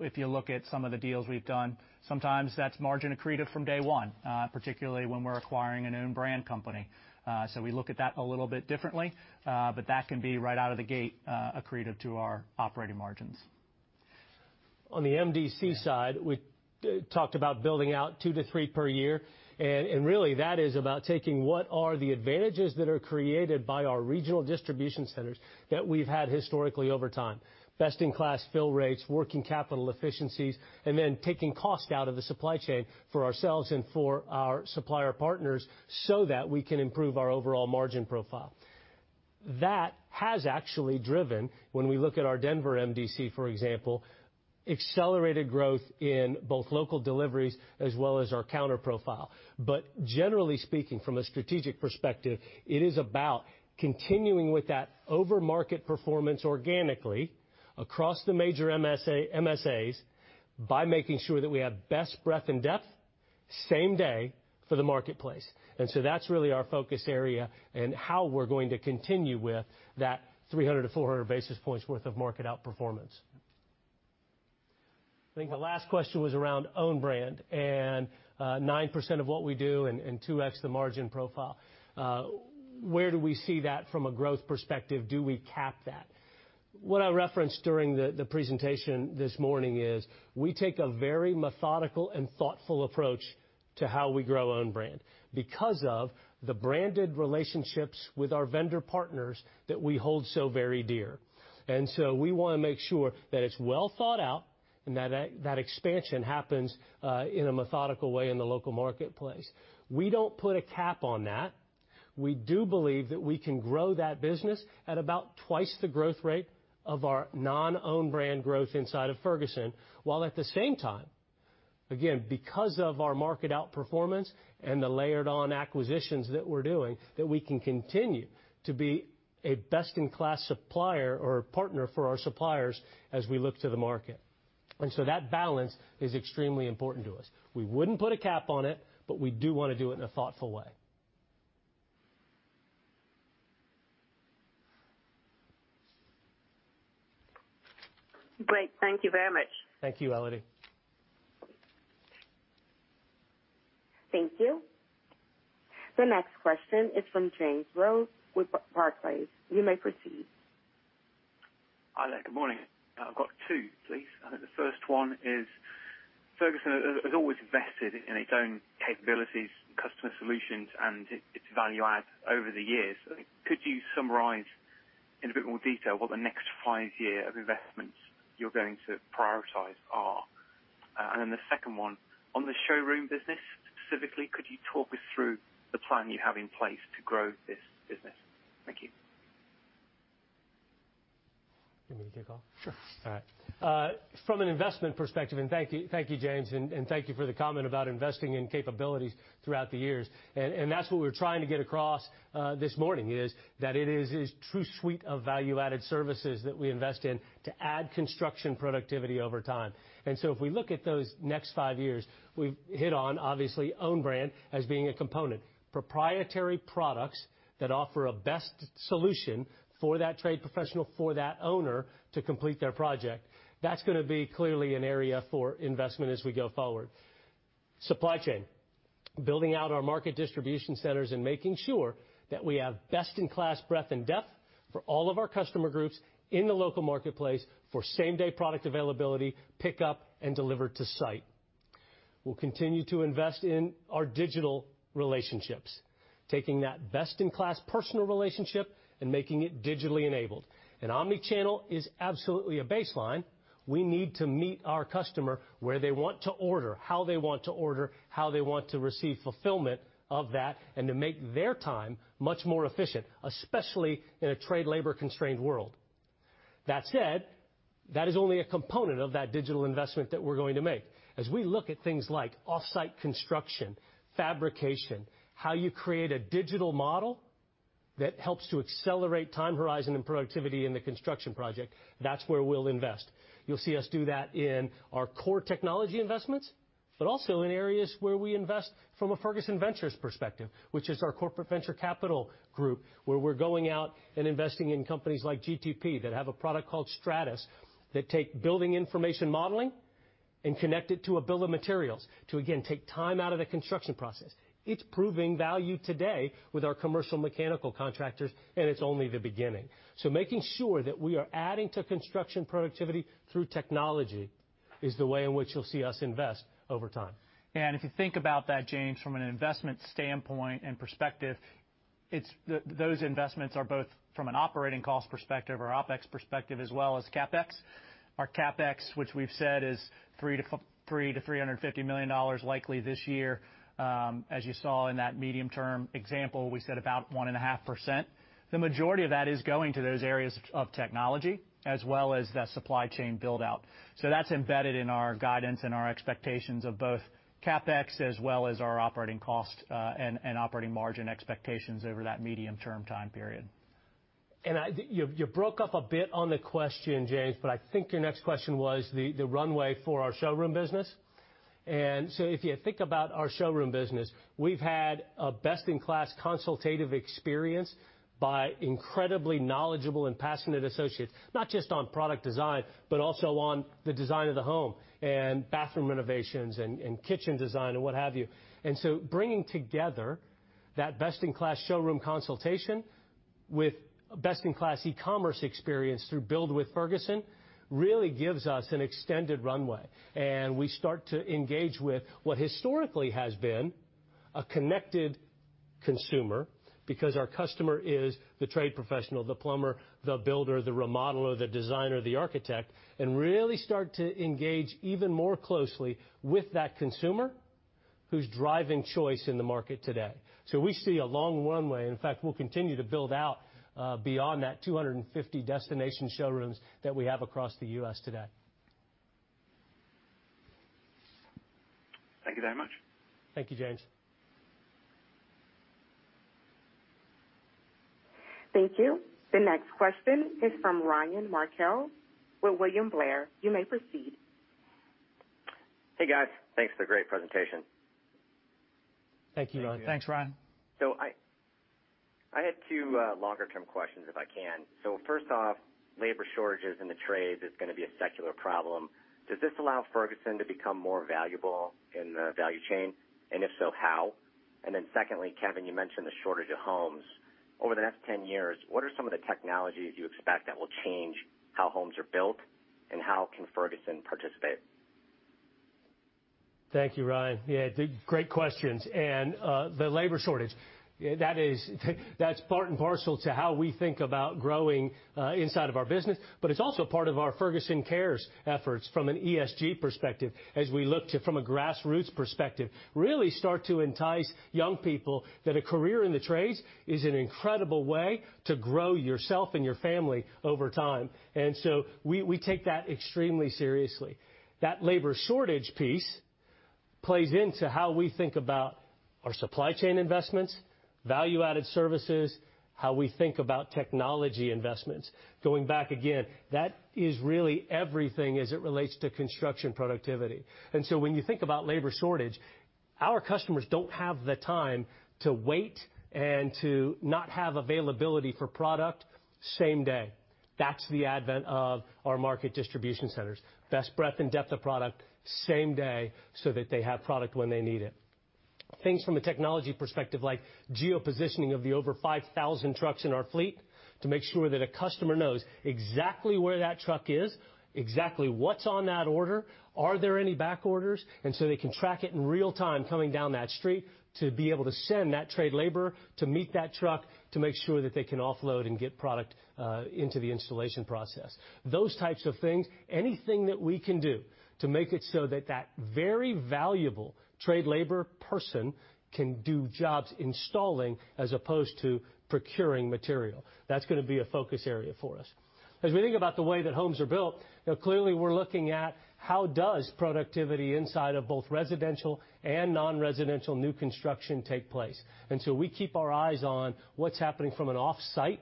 if you look at some of the deals we've done, sometimes that's margin accretive from day one, particularly when we're acquiring a new brand company. We look at that a little bit differently, but that can be right out of the gate, accretive to our operating margins. On the MDC side, we talked about building out two to three per year. Really that is about taking what are the advantages that are created by our regional distribution centers that we've had historically over time, best in class fill rates, working capital efficiencies, and then taking cost out of the supply chain for ourselves and for our supplier partners so that we can improve our overall margin profile. That has actually driven, when we look at our Denver MDC, for example, accelerated growth in both local deliveries as well as our counter profile. Generally speaking, from a strategic perspective, it is about continuing with that over-market performance organically across the major MSAs by making sure that we have best breadth and depth same day for the marketplace. That's really our focus area and how we're going to continue with that 300-400 basis points worth of market outperformance. I think the last question was around own brand and 9% of what we do and two x the margin profile. Where do we see that from a growth perspective? Do we cap that? What I referenced during the presentation this morning is we take a very methodical and thoughtful approach to how we grow own brand because of the branded relationships with our vendor partners that we hold so very dear. We wanna make sure that it's well thought out and that expansion happens in a methodical way in the local marketplace. We don't put a cap on that. We do believe that we can grow that business at about twice the growth rate of our non-own brand growth inside of Ferguson, while at the same time, again, because of our market outperformance and the layered on acquisitions that we're doing, that we can continue to be a best in class supplier or partner for our suppliers as we look to the market. That balance is extremely important to us. We wouldn't put a cap on it, but we do wanna do it in a thoughtful way. Great. Thank you very much. Thank you, Elodie. Thank you. The next question is from James Rose with Barclays. You may proceed. Hi there. Good morning. I've got two, please. I think the first one is, Ferguson has always invested in its own capabilities, customer solutions, and its value add over the years. Could you summarize in a bit more detail what the next five year of investments you're going to prioritize are? And then the second one, on the showroom business, specifically, could you talk us through the plan you have in place to grow this business? Thank you. You want me to kick off? Sure. All right. From an investment perspective, and thank you, James, and thank you for the comment about investing in capabilities throughout the years. That's what we're trying to get across this morning, is that it is a true suite of value-added services that we invest in to add construction productivity over time. If we look at those next five years, we've hit on, obviously, own brand as being a component. Proprietary products that offer a best solution for that trade professional, for that owner to complete their project. That's gonna be clearly an area for investment as we go forward. Supply chain. Building out our market distribution centers and making sure that we have best-in-class breadth and depth for all of our customer groups in the local marketplace for same-day product availability, pickup, and deliver to site. We'll continue to invest in our digital relationships. Taking that best-in-class personal relationship and making it digitally enabled. Omni-channel is absolutely a baseline. We need to meet our customer where they want to order, how they want to order, how they want to receive fulfillment of that, and to make their time much more efficient, especially in a trade labor-constrained world. That said, that is only a component of that digital investment that we're going to make. As we look at things like off-site construction, fabrication, how you create a digital model that helps to accelerate time horizon and productivity in the construction project, that's where we'll invest. You'll see us do that in our core technology investments, but also in areas where we invest from a Ferguson Ventures perspective, which is our corporate venture capital group, where we're going out and investing in companies like GTP that have a product called STRATUS that take building information modeling and connect it to a bill of materials to, again, take time out of the construction process. It's proving value today with our commercial mechanical contractors, and it's only the beginning. Making sure that we are adding to construction productivity through technology is the way in which you'll see us invest over time. If you think about that, James, from an investment standpoint and perspective, it's those investments are both from an operating cost perspective or OPEX perspective as well as CapEx. Our CapEx, which we've said is $300 million-$350 million likely this year, as you saw in that medium-term example, we said about 1.5%. The majority of that is going to those areas of technology as well as the supply chain build-out. That's embedded in our guidance and our expectations of both CapEx as well as our operating cost and operating margin expectations over that medium-term time period. You broke up a bit on the question, James, but I think your next question was the runway for our showroom business. If you think about our showroom business, we've had a best-in-class consultative experience by incredibly knowledgeable and passionate associates, not just on product design, but also on the design of the home and bathroom renovations and kitchen design and what have you. Bringing together that best-in-class showroom consultation with best-in-class e-commerce experience through Build with Ferguson really gives us an extended runway, and we start to engage with what historically has been a connected consumer, because our customer is the trade professional, the plumber, the builder, the remodeler, the designer, the architect, and really start to engage even more closely with that consumer who's driving choice in the market today. We see a long runway. In fact, we'll continue to build out beyond that 250 destination showrooms that we have across the U.S. today. Thank you very much. Thank you, James. Thank you. The next question is from Ryan Merkel with William Blair. You may proceed. Hey, guys. Thanks for the great presentation. Thank you, Ryan. Thank you. Thanks, Ryan. I had two longer-term questions, if I can. First off, labor shortages in the trades is gonna be a secular problem. Does this allow Ferguson to become more valuable in the value chain? And if so, how? Secondly, Kevin, you mentioned the shortage of homes. Over the next 10 years, what are some of the technologies you expect that will change how homes are built, and how can Ferguson participate? Thank you, Ryan. Yeah, they're great questions. The labor shortage, yeah, that's part and parcel to how we think about growing inside of our business, but it's also part of our Ferguson Cares efforts from an ESG perspective as we look to, from a grassroots perspective, really start to entice young people that a career in the trades is an incredible way to grow yourself and your family over time. We take that extremely seriously. That labor shortage piece. Plays into how we think about our supply chain investments, value-added services, how we think about technology investments. Going back again, that is really everything as it relates to construction productivity. When you think about labor shortage, our customers don't have the time to wait and to not have availability for product same day. That's the advent of our market distribution centers. Best breadth and depth of product same day so that they have product when they need it. Things from a technology perspective, like geo-positioning of the over 5,000 trucks in our fleet to make sure that a customer knows exactly where that truck is, exactly what's on that order, are there any back orders, and so they can track it in real-time coming down that street to be able to send that trade labor to meet that truck to make sure that they can offload and get product into the installation process. Those types of things, anything that we can do to make it so that that very valuable trade labor person can do jobs installing as opposed to procuring material. That's gonna be a focus area for us. As we think about the way that homes are built, now, clearly, we're looking at how does productivity inside of both residential and non-residential new construction take place. We keep our eyes on what's happening from an offsite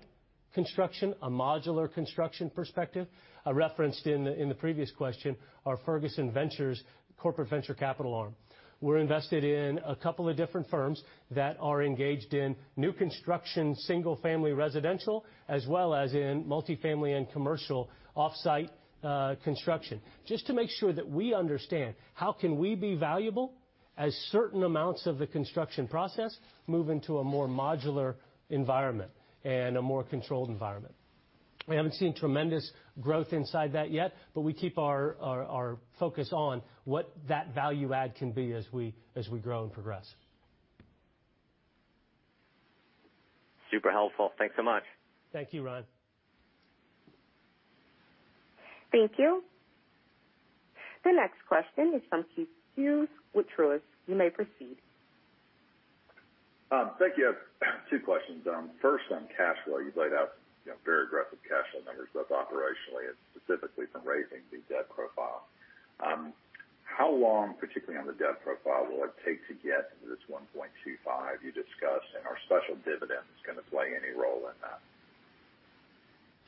construction, a modular construction perspective. I referenced in the previous question our Ferguson Ventures corporate venture capital arm. We're invested in a couple of different firms that are engaged in new construction, single-family, residential, as well as in multifamily and commercial offsite construction, just to make sure that we understand how can we be valuable as certain amounts of the construction process move into a more modular environment and a more controlled environment. We haven't seen tremendous growth inside that yet, but we keep our focus on what that value add can be as we grow and progress. Super helpful. Thanks so much. Thank you, Ryan. Thank you. The next question is from Keith Hughes with Truist. You may proceed. Thank you. Two questions. First on cash flow. You've laid out, you know, very aggressive cash flow numbers both operationally and specifically from raising the debt profile. How long, particularly on the debt profile, will it take to get to this 1.25 you discussed, and are special dividends gonna play any role in that?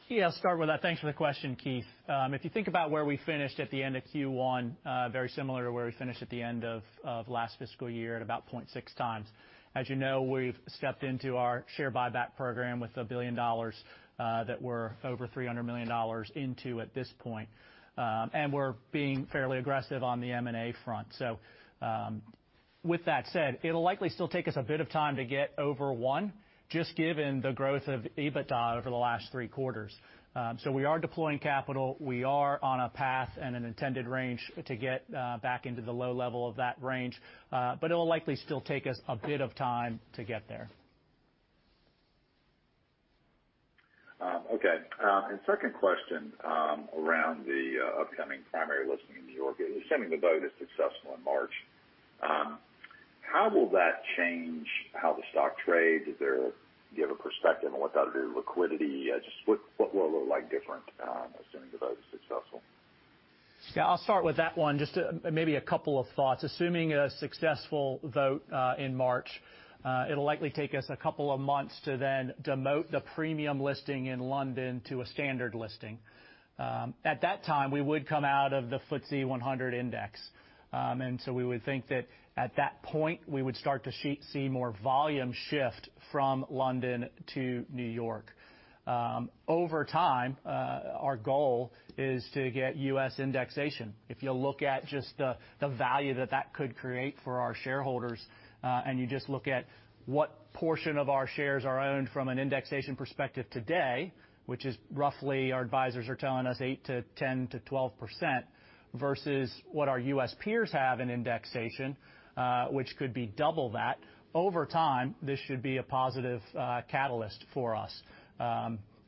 Yeah, I'll start with that. Thanks for the question, Keith. If you think about where we finished at the end of Q1, very similar to where we finished at the end of last fiscal year at about 0.6x. As you know, we've stepped into our share buyback program with $1 billion that we're over $300 million into at this point. We're being fairly aggressive on the M&A front. With that said, it'll likely still take us a bit of time to get over 1x, just given the growth of EBITDA over the last three quarters. We are deploying capital. We are on a path and an intended range to get back into the low level of that range, but it will likely still take us a bit of time to get there. Okay. Second question, around the upcoming primary listing in New York. Assuming the vote is successful in March, how will that change how the stock trades? Do you have a perspective on what that'll do to liquidity? Just what will it look like different, assuming the vote is successful? Yeah, I'll start with that one. Just, maybe a couple of thoughts. Assuming a successful vote, in March, it'll likely take us a couple of months to then demote the premium listing in London to a standard listing. At that time, we would come out of the FTSE 100 Index. We would think that at that point, we would start to see more volume shift from London to New York. Over time, our goal is to get U.S. indexation. If you look at just the value that could create for our shareholders, and you just look at what portion of our shares are owned from an indexation perspective today, which is roughly our advisors are telling us 8%-12% versus what our U.S. peers have in indexation, which could be double that. Over time, this should be a positive catalyst for us.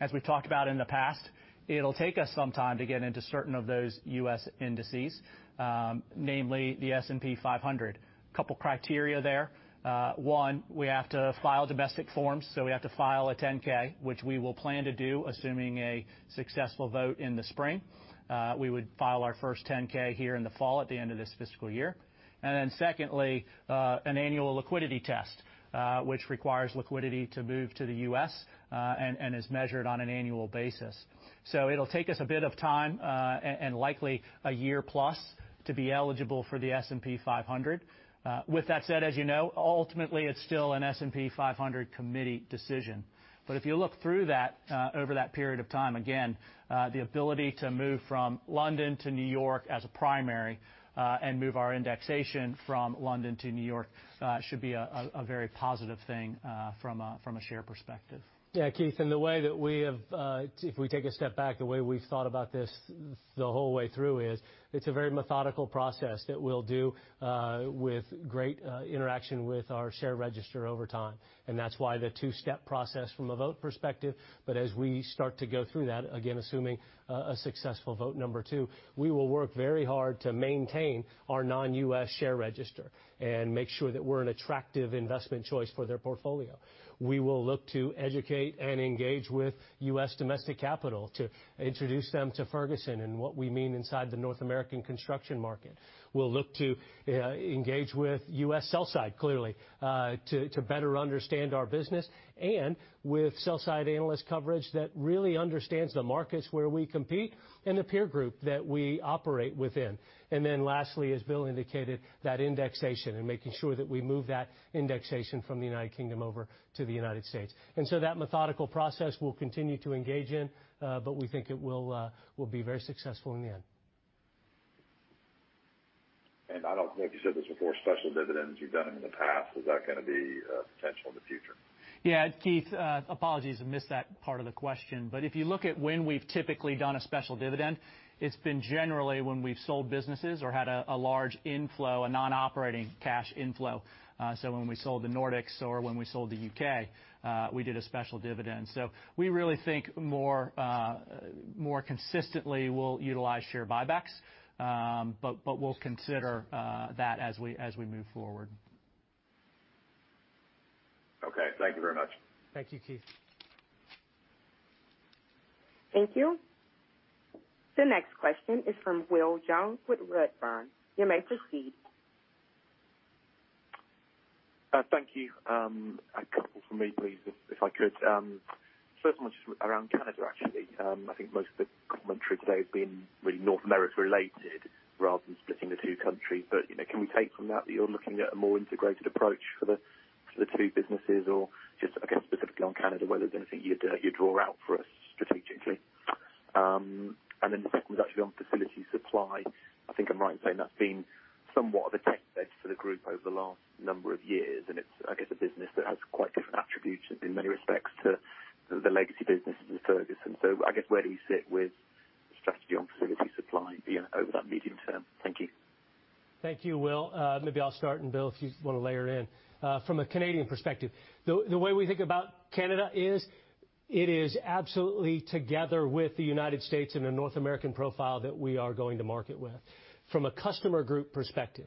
As we've talked about in the past, it'll take us some time to get into certain of those U.S. indices, namely the S&P 500. A couple criteria there. One, we have to file domestic forms, so we have to file a 10-K, which we will plan to do, assuming a successful vote in the spring. We would file our first 10-K here in the fall at the end of this fiscal year. Then secondly, an annual liquidity test, which requires liquidity to move to the U.S., and is measured on an annual basis. It'll take us a bit of time, and likely a year plus to be eligible for the S&P 500. With that said, as you know, ultimately, it's still an S&P 500 committee decision. If you look through that, over that period of time, again, the ability to move from London to New York as a primary, and move our indexation from London to New York, should be a very positive thing, from a share perspective. Yeah, Keith, the way that we have, if we take a step back, the way we've thought about this the whole way through is it's a very methodical process that we'll do with great interaction with our share register over time. That's why the two-step process from a vote perspective. As we start to go through that, again, assuming a successful vote number two, we will work very hard to maintain our non-U.S. share register and make sure that we're an attractive investment choice for their portfolio. We will look to educate and engage with U.S. domestic capital to introduce them to Ferguson and what we mean inside the North American construction market. We'll look to engage with U.S. sell side, clearly, to better understand our business and with sell side analyst coverage that really understands the markets where we compete and the peer group that we operate within. Lastly, as Bill indicated, that indexation and making sure that we move that indexation from the United Kingdom over to the United States. That methodical process we'll continue to engage in, but we think it will be very successful in the end. I don't think you said this before, special dividends you've done in the past. Is that gonna be potential in the future? Yeah, Keith, apologies, I missed that part of the question. If you look at when we've typically done a special dividend, it's been generally when we've sold businesses or had a large inflow, a non-operating cash inflow. When we sold the Nordics or when we sold the U.K, we did a special dividend. We really think more consistently we'll utilize share buybacks. We'll consider that as we move forward. Okay. Thank you very much. Thank you, Keith. Thank you. The next question is from Will Jones with Redburn. You may proceed. Thank you. A couple from me please, if I could. First one is around Canada actually. I think most of the commentary today have been really North America related rather than splitting the two countries. You know, can we take from that that you're looking at a more integrated approach for the two businesses? Or just, I guess, specifically on Canada, whether there's anything you'd draw out for us strategically? Then the second was actually on Facilities Supply. I think I'm right in saying that's been somewhat of a test bed for the group over the last number of years, and it's, I guess, a business that has quite different attributes in many respects to the legacy business of Ferguson. I guess, where do you sit with strategy on Facilities Supply over that medium term? Thank you. Thank you, Will. Maybe I'll start and Bill, if you wanna layer in. From a Canadian perspective, the way we think about Canada is it is absolutely together with the United States in a North American profile that we are going to market with. From a customer group perspective,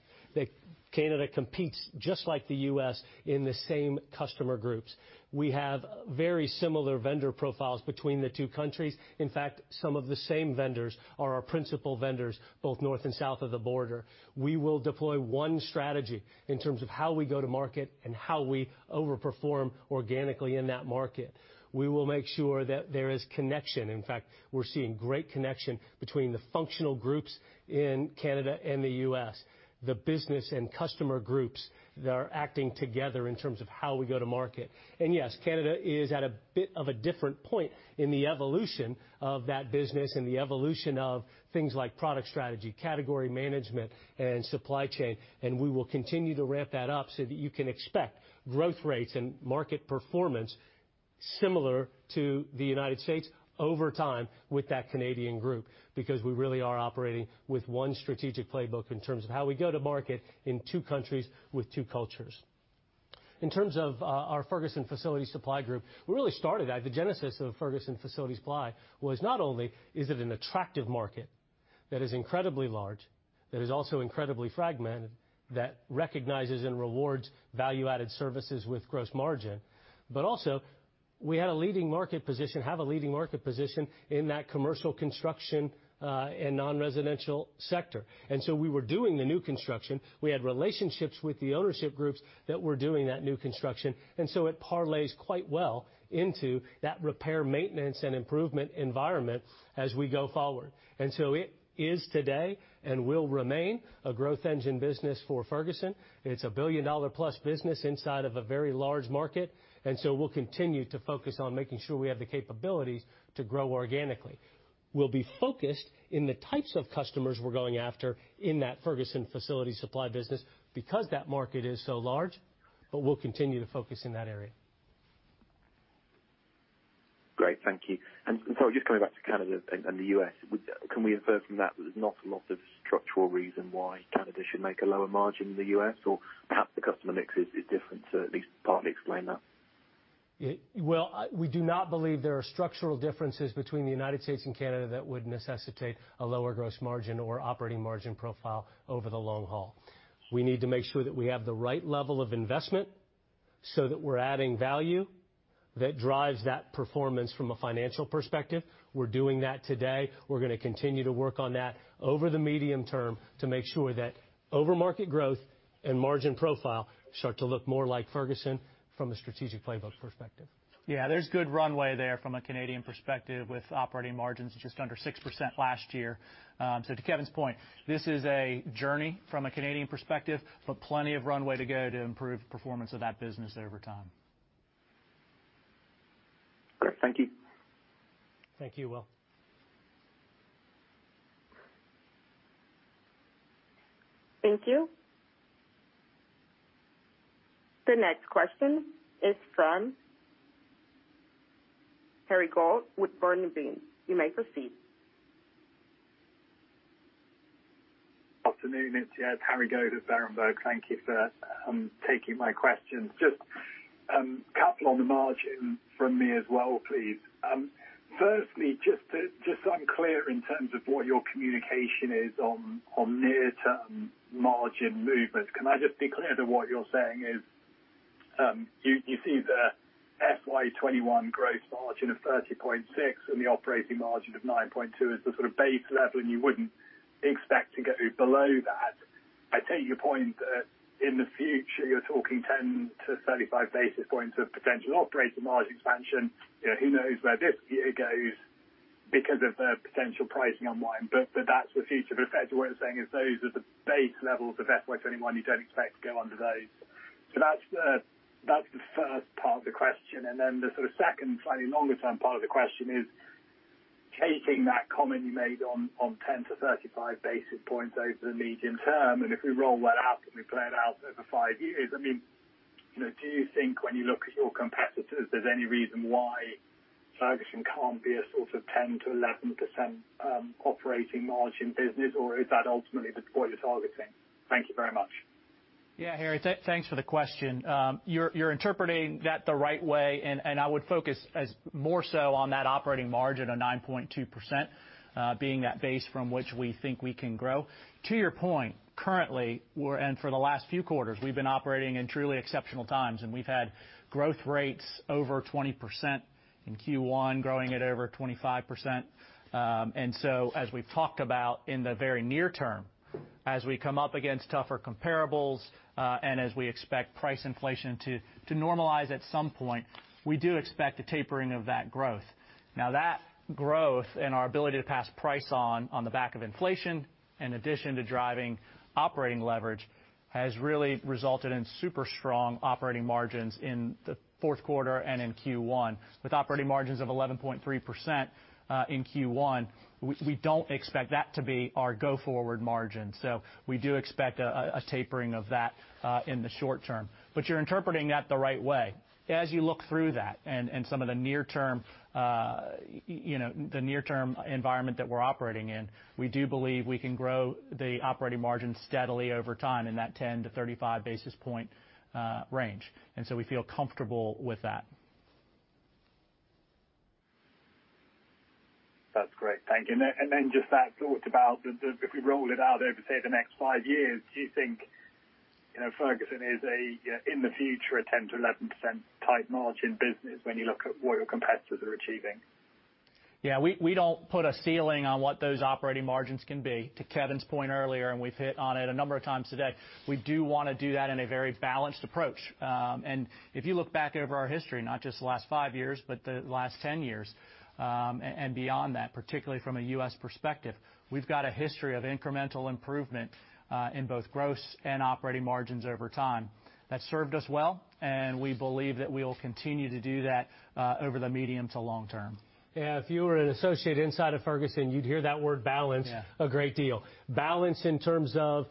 Canada competes just like the U.S. in the same customer groups. We have very similar vendor profiles between the two countries. In fact, some of the same vendors are our principal vendors, both north and south of the border. We will deploy one strategy in terms of how we go to market and how we overperform organically in that market. We will make sure that there is connection. In fact, we're seeing great connection between the functional groups in Canada and the U.S. The business and customer groups that are acting together in terms of how we go to market. Yes, Canada is at a bit of a different point in the evolution of that business and the evolution of things like product strategy, category management, and supply chain. We will continue to ramp that up so that you can expect growth rates and market performance similar to the United States over time with that Canadian group, because we really are operating with one strategic playbook in terms of how we go to market in two countries with two cultures. In terms of our Ferguson Facilities Supply group, we really started that. The genesis of Ferguson Facilities Supply was not only is it an attractive market that is incredibly large, that is also incredibly fragmented, that recognizes and rewards value-added services with gross margin, but also we had a leading market position, have a leading market position in that commercial construction and non-residential sector. We were doing the new construction. We had relationships with the ownership groups that were doing that new construction, and so it parlays quite well into that repair, maintenance, and improvement environment as we go forward. It is today and will remain a growth engine business for Ferguson. It's a billion-dollar-plus business inside of a very large market, and so we'll continue to focus on making sure we have the capabilities to grow organically. We'll be focused in the types of customers we're going after in that Ferguson Facilities Supply business because that market is so large, but we'll continue to focus in that area. Great. Thank you. Sorry, just coming back to Canada and the U.S. Can we infer from that that there's not a lot of structural reason why Canada should make a lower margin than the U.S? Or perhaps the customer mix is different, so at least partly explain that. We do not believe there are structural differences between the United States and Canada that would necessitate a lower gross margin or operating margin profile over the long haul. We need to make sure that we have the right level of investment so that we're adding value that drives that performance from a financial perspective. We're doing that today. We're gonna continue to work on that over the medium term to make sure that over market growth and margin profile start to look more like Ferguson from a strategic playbook perspective. Yeah, there's good runway there from a Canadian perspective with operating margins just under 6% last year. To Kevin's point, this is a journey from a Canadian perspective, but plenty of runway to go to improve performance of that business over time. Great. Thank you. Thank you, Will. Thank you. The next question is from Harry Goad with Berenberg. You may proceed. afternoon. It's Harry Goad with Berenberg. Thank you for taking my questions. Just a couple on the margin from me as well, please. Firstly, just so I'm clear in terms of what your communication is on near-term margin movements, can I just be clear that what you're saying is you see the FY 2021 gross margin of 30.6% and the operating margin of 9.2% as the sort of base level, and you wouldn't expect to go below that? I take your point that in the future, you're talking 10-35 basis points of potential operating margin expansion. You know, who knows where this year goes because of the potential pricing unwind, but that's the future. Effectively what you're saying is those are the base levels of FY 2021. You don't expect to go under those. That's the first part of the question. The sort of second slightly longer term part of the question is taking that comment you made on 10-35 basis points over the medium term, and if we roll that out and we play it out over five years, I mean, you know, do you think when you look at your competitors, there's any reason why Ferguson can't be a sort of 10%-11% operating margin business, or is that ultimately the point you're targeting? Thank you very much. Yeah, Harry, thanks for the question. You're interpreting that the right way. I would focus more so on that operating margin of 9.2%, being that base from which we think we can grow. To your point, currently, and for the last few quarters, we've been operating in truly exceptional times, and we've had growth rates over 20% in Q1, growing at over 25%. As we've talked about in the very near term, as we come up against tougher comparables, and as we expect price inflation to normalize at some point, we do expect a tapering of that growth. Now, that growth and our ability to pass price on the back of inflation, in addition to driving operating leverage, has really resulted in super strong operating margins in the fourth quarter and in Q1. With operating margins of 11.3% in Q1, we don't expect that to be our go-forward margin. We do expect a tapering of that in the short term. You're interpreting that the right way. As you look through that and some of the near term, you know, the near term environment that we're operating in, we do believe we can grow the operating margin steadily over time in that 10-35 basis points range. We feel comfortable with that. That's great. Thank you. Just that thought about if we roll it out over, say, the next five years, do you think, you know, Ferguson is a, in the future, a 10%-11% type margin business when you look at what your competitors are achieving? Yeah, we don't put a ceiling on what those operating margins can be. To Kevin's point earlier, we've hit on it a number of times today. We do want to do that in a very balanced approach. If you look back over our history, not just the last five years, but the last 10 years and beyond that, particularly from a U.S. perspective, we've got a history of incremental improvement in both gross and operating margins over time. That's served us well, and we believe that we will continue to do that over the medium to long term. Yeah, if you were an associate inside of Ferguson, you'd hear that word balance. Yeah. A great deal. Balance in terms of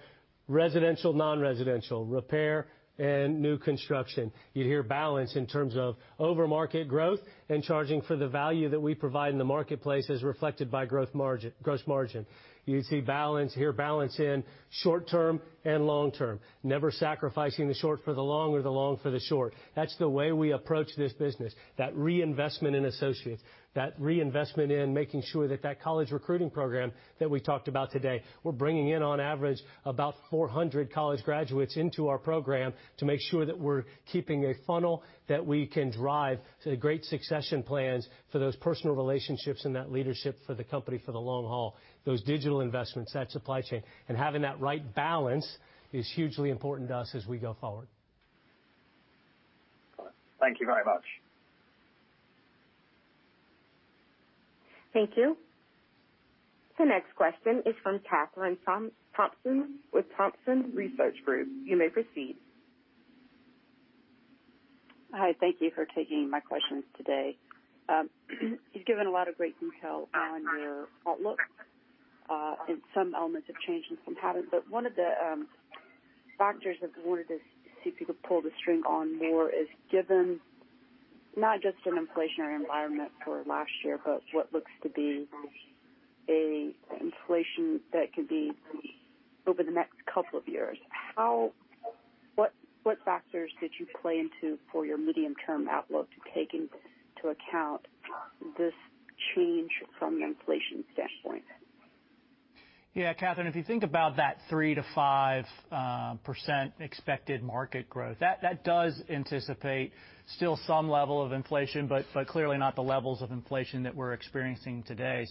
residential, non-residential, repair, and new construction. You'd hear balance in terms of over market growth and charging for the value that we provide in the marketplace as reflected by growth margin, gross margin. You'd see balance, hear balance in short term and long term, never sacrificing the short for the long or the long for the short. That's the way we approach this business, that reinvestment in associates, that reinvestment in making sure that that college recruiting program that we talked about today, we're bringing in, on average, about 400 college graduates into our program to make sure that we're keeping a funnel that we can drive to great succession plans for those personal relationships and that leadership for the company for the long haul. Those digital investments, that supply chain, and having that right balance is hugely important to us as we go forward. Thank you very much. Thank you. The next question is from Kathryn Thompson with Thompson Research Group. You may proceed. Hi, thank you for taking my questions today. You've given a lot of great detail on your outlook, and some elements of change and some patterns. One of the factors I wanted to see if you could pull the string on more is given not just an inflationary environment for last year, but what looks to be an inflation that could be over the next couple of years. What factors did you play into for your medium-term outlook to take into account this change from an inflation standpoint? Yeah, Kathryn, if you think about that 3%-5% expected market growth, that does anticipate still some level of inflation, but clearly not the levels of inflation that we're experiencing today.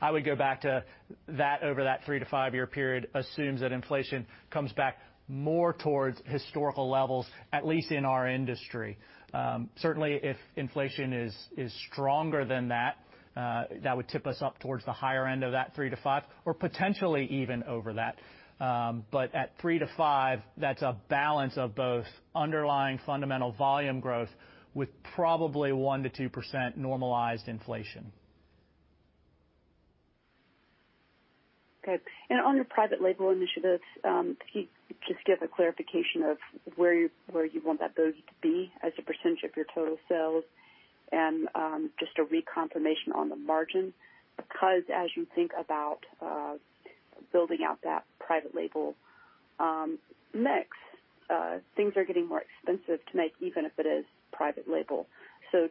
I would go back to that over that three to five-year period assumes that inflation comes back more towards historical levels, at least in our industry. Certainly, if inflation is stronger than that would tip us up towards the higher end of that three to five or potentially even over that. But at three to five, that's a balance of both underlying fundamental volume growth with probably 1%-2% normalized inflation. Okay. On your private label initiatives, can you just give a clarification of where you want that build to be as a percentage of your total sales and, just a reconfirmation on the margin? Because as you think about building out that private label mix, things are getting more expensive to make, even if it is private label.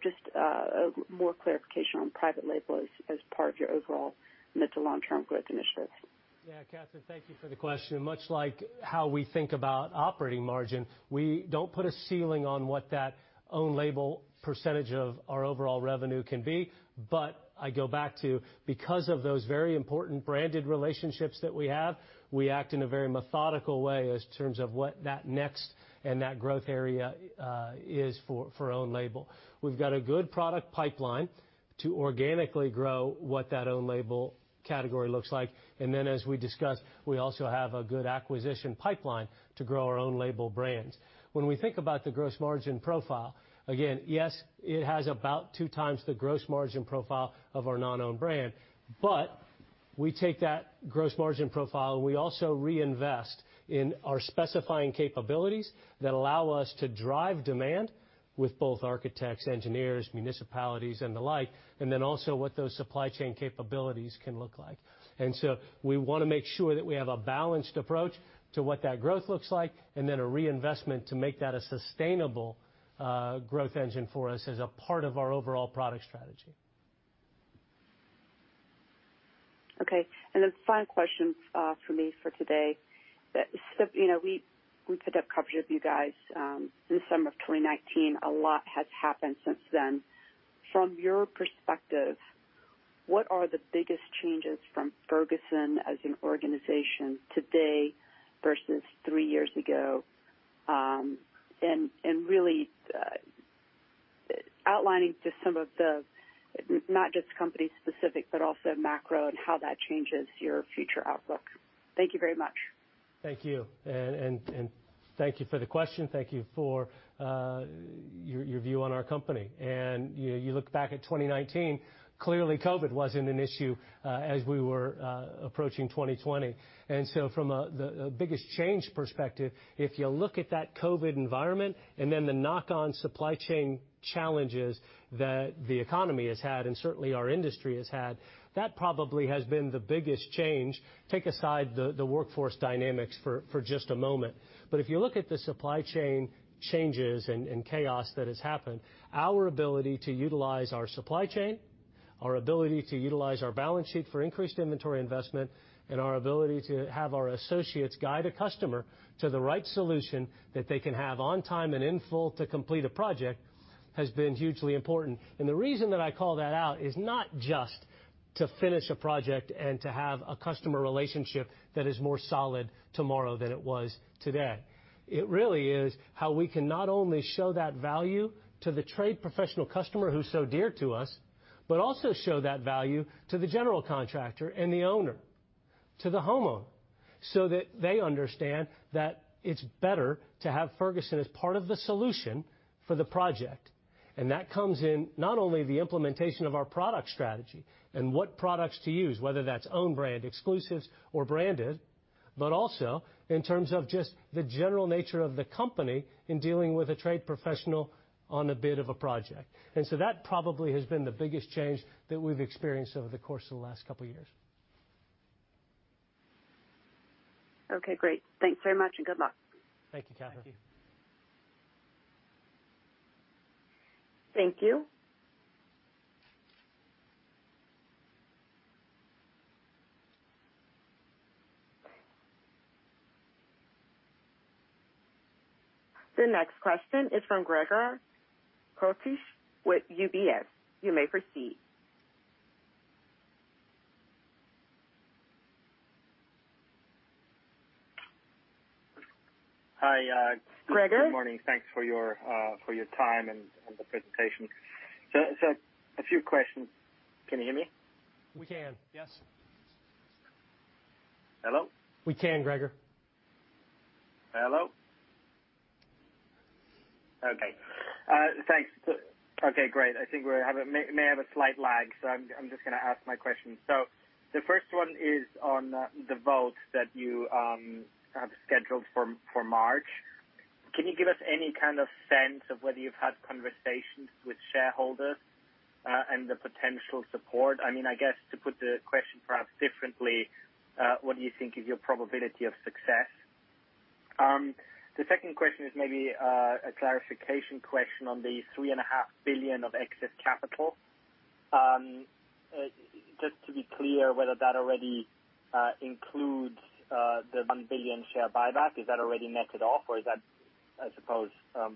Just a more clarification on private label as part of your overall mid- to long-term growth initiatives. Yeah. Kathryn, thank you for the question. Much like how we think about operating margin, we don't put a ceiling on what that own label percentage of our overall revenue can be. I go back to, because of those very important branded relationships that we have, we act in a very methodical way in terms of what that next and that growth area is for own label. We've got a good product pipeline to organically grow what that own label category looks like. As we discussed, we also have a good acquisition pipeline to grow our own label brands. When we think about the gross margin profile, again, yes, it has about two times the gross margin profile of our non-own brand. We take that gross margin profile, and we also reinvest in our specifying capabilities that allow us to drive demand with both architects, engineers, municipalities and the like, and then also what those supply chain capabilities can look like. We wanna make sure that we have a balanced approach to what that growth looks like, and then a reinvestment to make that a sustainable growth engine for us as a part of our overall product strategy. Okay. Then final question from me for today. You know, we picked up coverage of you guys in the summer of 2019. A lot has happened since then. From your perspective, what are the biggest changes from Ferguson as an organization today versus three years ago, really outlining just some of the, not just company specific, but also macro and how that changes your future outlook? Thank you very much. Thank you. Thank you for the question. Thank you for your view on our company. You look back at 2019, clearly COVID wasn't an issue as we were approaching 2020. From the biggest change perspective, if you look at that COVID environment and then the knock-on supply chain challenges that the economy has had, and certainly our industry has had, that probably has been the biggest change. Take aside the workforce dynamics for just a moment. If you look at the supply chain changes and chaos that has happened, our ability to utilize our supply chain, our ability to utilize our balance sheet for increased inventory investment, and our ability to have our associates guide a customer to the right solution that they can have on time and in full to complete a project has been hugely important. The reason that I call that out is not just to finish a project and to have a customer relationship that is more solid tomorrow than it was today. It really is how we can not only show that value to the trade professional customer who's so dear to us, but also show that value to the general contractor and the owner, to the homeowner, so that they understand that it's better to have Ferguson as part of the solution for the project. that comes in not only the implementation of our product strategy and what products to use, whether that's own brand exclusives or branded, but also in terms of just the general nature of the company in dealing with a trade professional on a bid of a project. that probably has been the biggest change that we've experienced over the course of the last couple years. Okay, great. Thanks very much and good luck. Thank you, Kathryn. Thank you. The next question is from Gregor Kuglitsch with UBS. You may proceed. Hi. Gregor. Good morning. Thanks for your time and the presentation. A few questions. Can you hear me? We can, yes. Hello? We can, Gregor. I think we may have a slight lag, so I'm just gonna ask my question. The first one is on the vote that you have scheduled for March. Can you give us any kind of sense of whether you've had conversations with shareholders and the potential support? I mean, I guess to put the question perhaps differently, what do you think is your probability of success? The second question is maybe a clarification question on the $3.5 billion of excess capital. Just to be clear whether that already includes the $1 billion share buyback. Is that already netted off or is that, I suppose,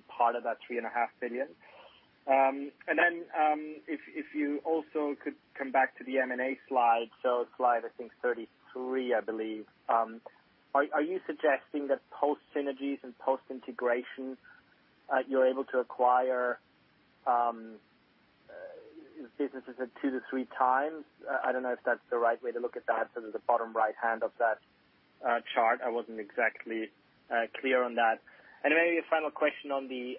part of that $3.5 billion? If you also could come back to the M&A slide I think 33, I believe. Are you suggesting that post synergies and post integration, you're able to acquire businesses at two to three times? I don't know if that's the right way to look at that. Sort of the bottom right hand of that chart. I wasn't exactly clear on that. Maybe a final question on the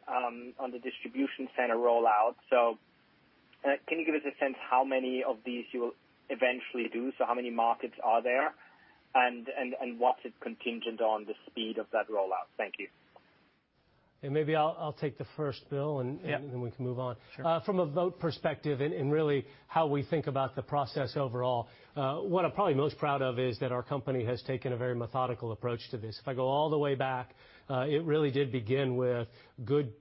distribution center rollout. Can you give us a sense how many of these you'll eventually do? How many markets are there and what's it contingent on the speed of that rollout? Thank you. Maybe I'll take the first, Bill. Yeah. We can move on. Sure. From a vote perspective and really how we think about the process overall, what I'm probably most proud of is that our company has taken a very methodical approach to this. If I go all the way back, it really did begin with good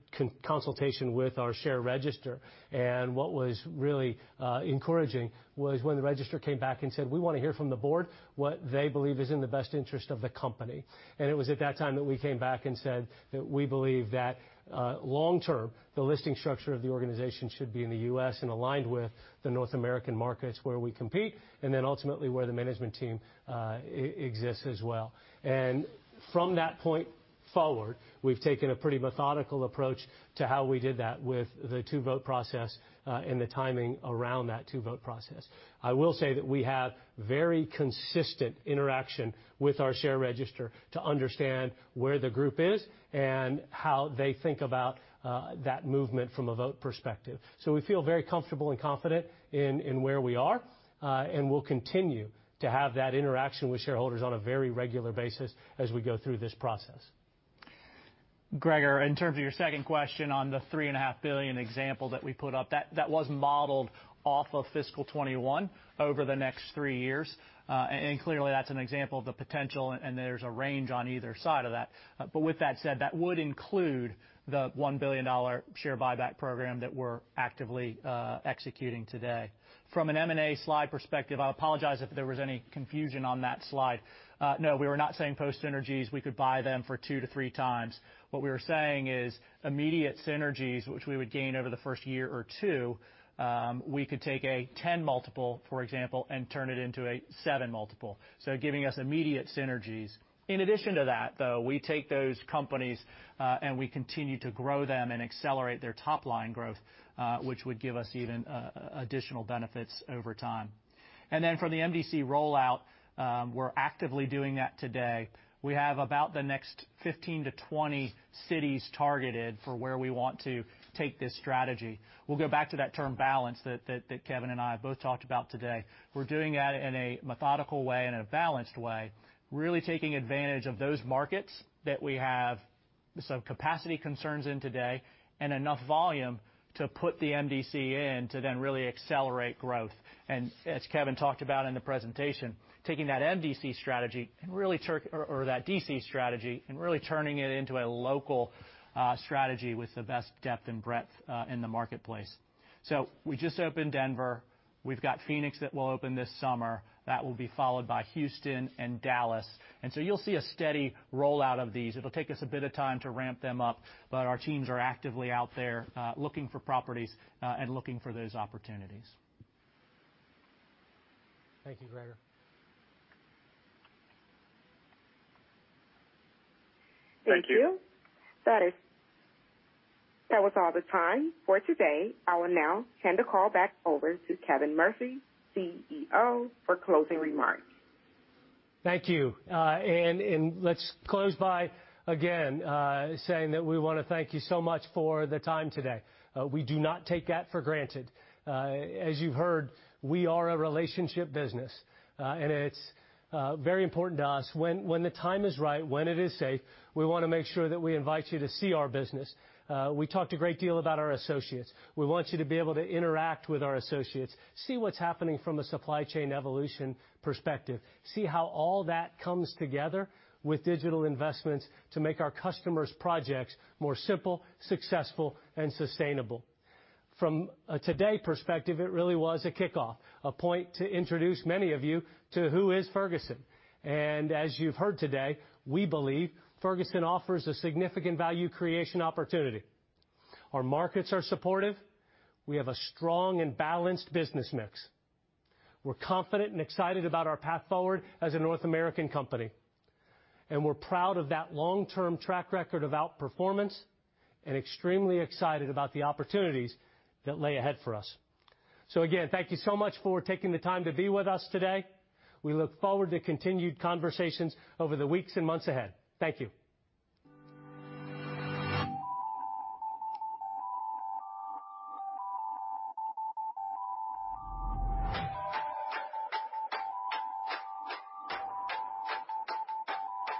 consultation with our share register. What was really encouraging was when the register came back and said, "We wanna hear from the board what they believe is in the best interest of the company." It was at that time that we came back and said that we believe that long term, the listing structure of the organization should be in the U.S. and aligned with the North American markets where we compete, and then ultimately where the management team exists as well. From that point forward, we've taken a pretty methodical approach to how we did that with the two-vote process, and the timing around that two-vote process. I will say that we have very consistent interaction with our share register to understand where the group is and how they think about that movement from a vote perspective. We feel very comfortable and confident in where we are, and we'll continue to have that interaction with shareholders on a very regular basis as we go through this process. Gregor Kuglitsch, in terms of your second question on the $3.5 billion example that we put up, that was modeled off of fiscal 2021 over the next three years. Clearly that's an example of the potential, and there's a range on either side of that. With that said, that would include the $1 billion share buyback program that we're actively executing today. From an M&A slide perspective, I apologize if there was any confusion on that slide. No, we were not saying post synergies, we could buy them for two to three times. What we were saying is immediate synergies, which we would gain over the first year or two, we could take a 10x multiple, for example, and turn it into a 7x multiple, so giving us immediate synergies. In addition to that, though, we take those companies, and we continue to grow them and accelerate their top line growth, which would give us even additional benefits over time. For the MDC rollout, we're actively doing that today. We have about the next 15-20 cities targeted for where we want to take this strategy. We'll go back to that term balance that Kevin and I both talked about today. We're doing that in a methodical way and in a balanced way, really taking advantage of those markets that we have some capacity concerns in today and enough volume to put the MDC in to then really accelerate growth. As Kevin talked about in the presentation, taking that MDC strategy or that DC strategy and really turning it into a local strategy with the best depth and breadth in the marketplace. We just opened Denver. We've got Phoenix that will open this summer. That will be followed by Houston and Dallas. You'll see a steady rollout of these. It'll take us a bit of time to ramp them up, but our teams are actively out there looking for properties and looking for those opportunities. Thank you, Gregor. Thank you. Thank you. That was all the time for today. I will now hand the call back over to Kevin Murphy, CEO, for closing remarks. Thank you. Let's close by again saying that we wanna thank you so much for the time today. We do not take that for granted. As you've heard, we are a relationship business, and it's very important to us when the time is right, when it is safe, we wanna make sure that we invite you to see our business. We talked a great deal about our associates. We want you to be able to interact with our associates, see what's happening from a supply chain evolution perspective, see how all that comes together with digital investments to make our customers' projects more simple, successful, and sustainable. From today's perspective, it really was a kickoff, a point to introduce many of you to who is Ferguson. As you've heard today, we believe Ferguson offers a significant value creation opportunity. Our markets are supportive. We have a strong and balanced business mix. We're confident and excited about our path forward as a North American company. We're proud of that long-term track record of outperformance and extremely excited about the opportunities that lay ahead for us. Again, thank you so much for taking the time to be with us today. We look forward to continued conversations over the weeks and months ahead. Thank you.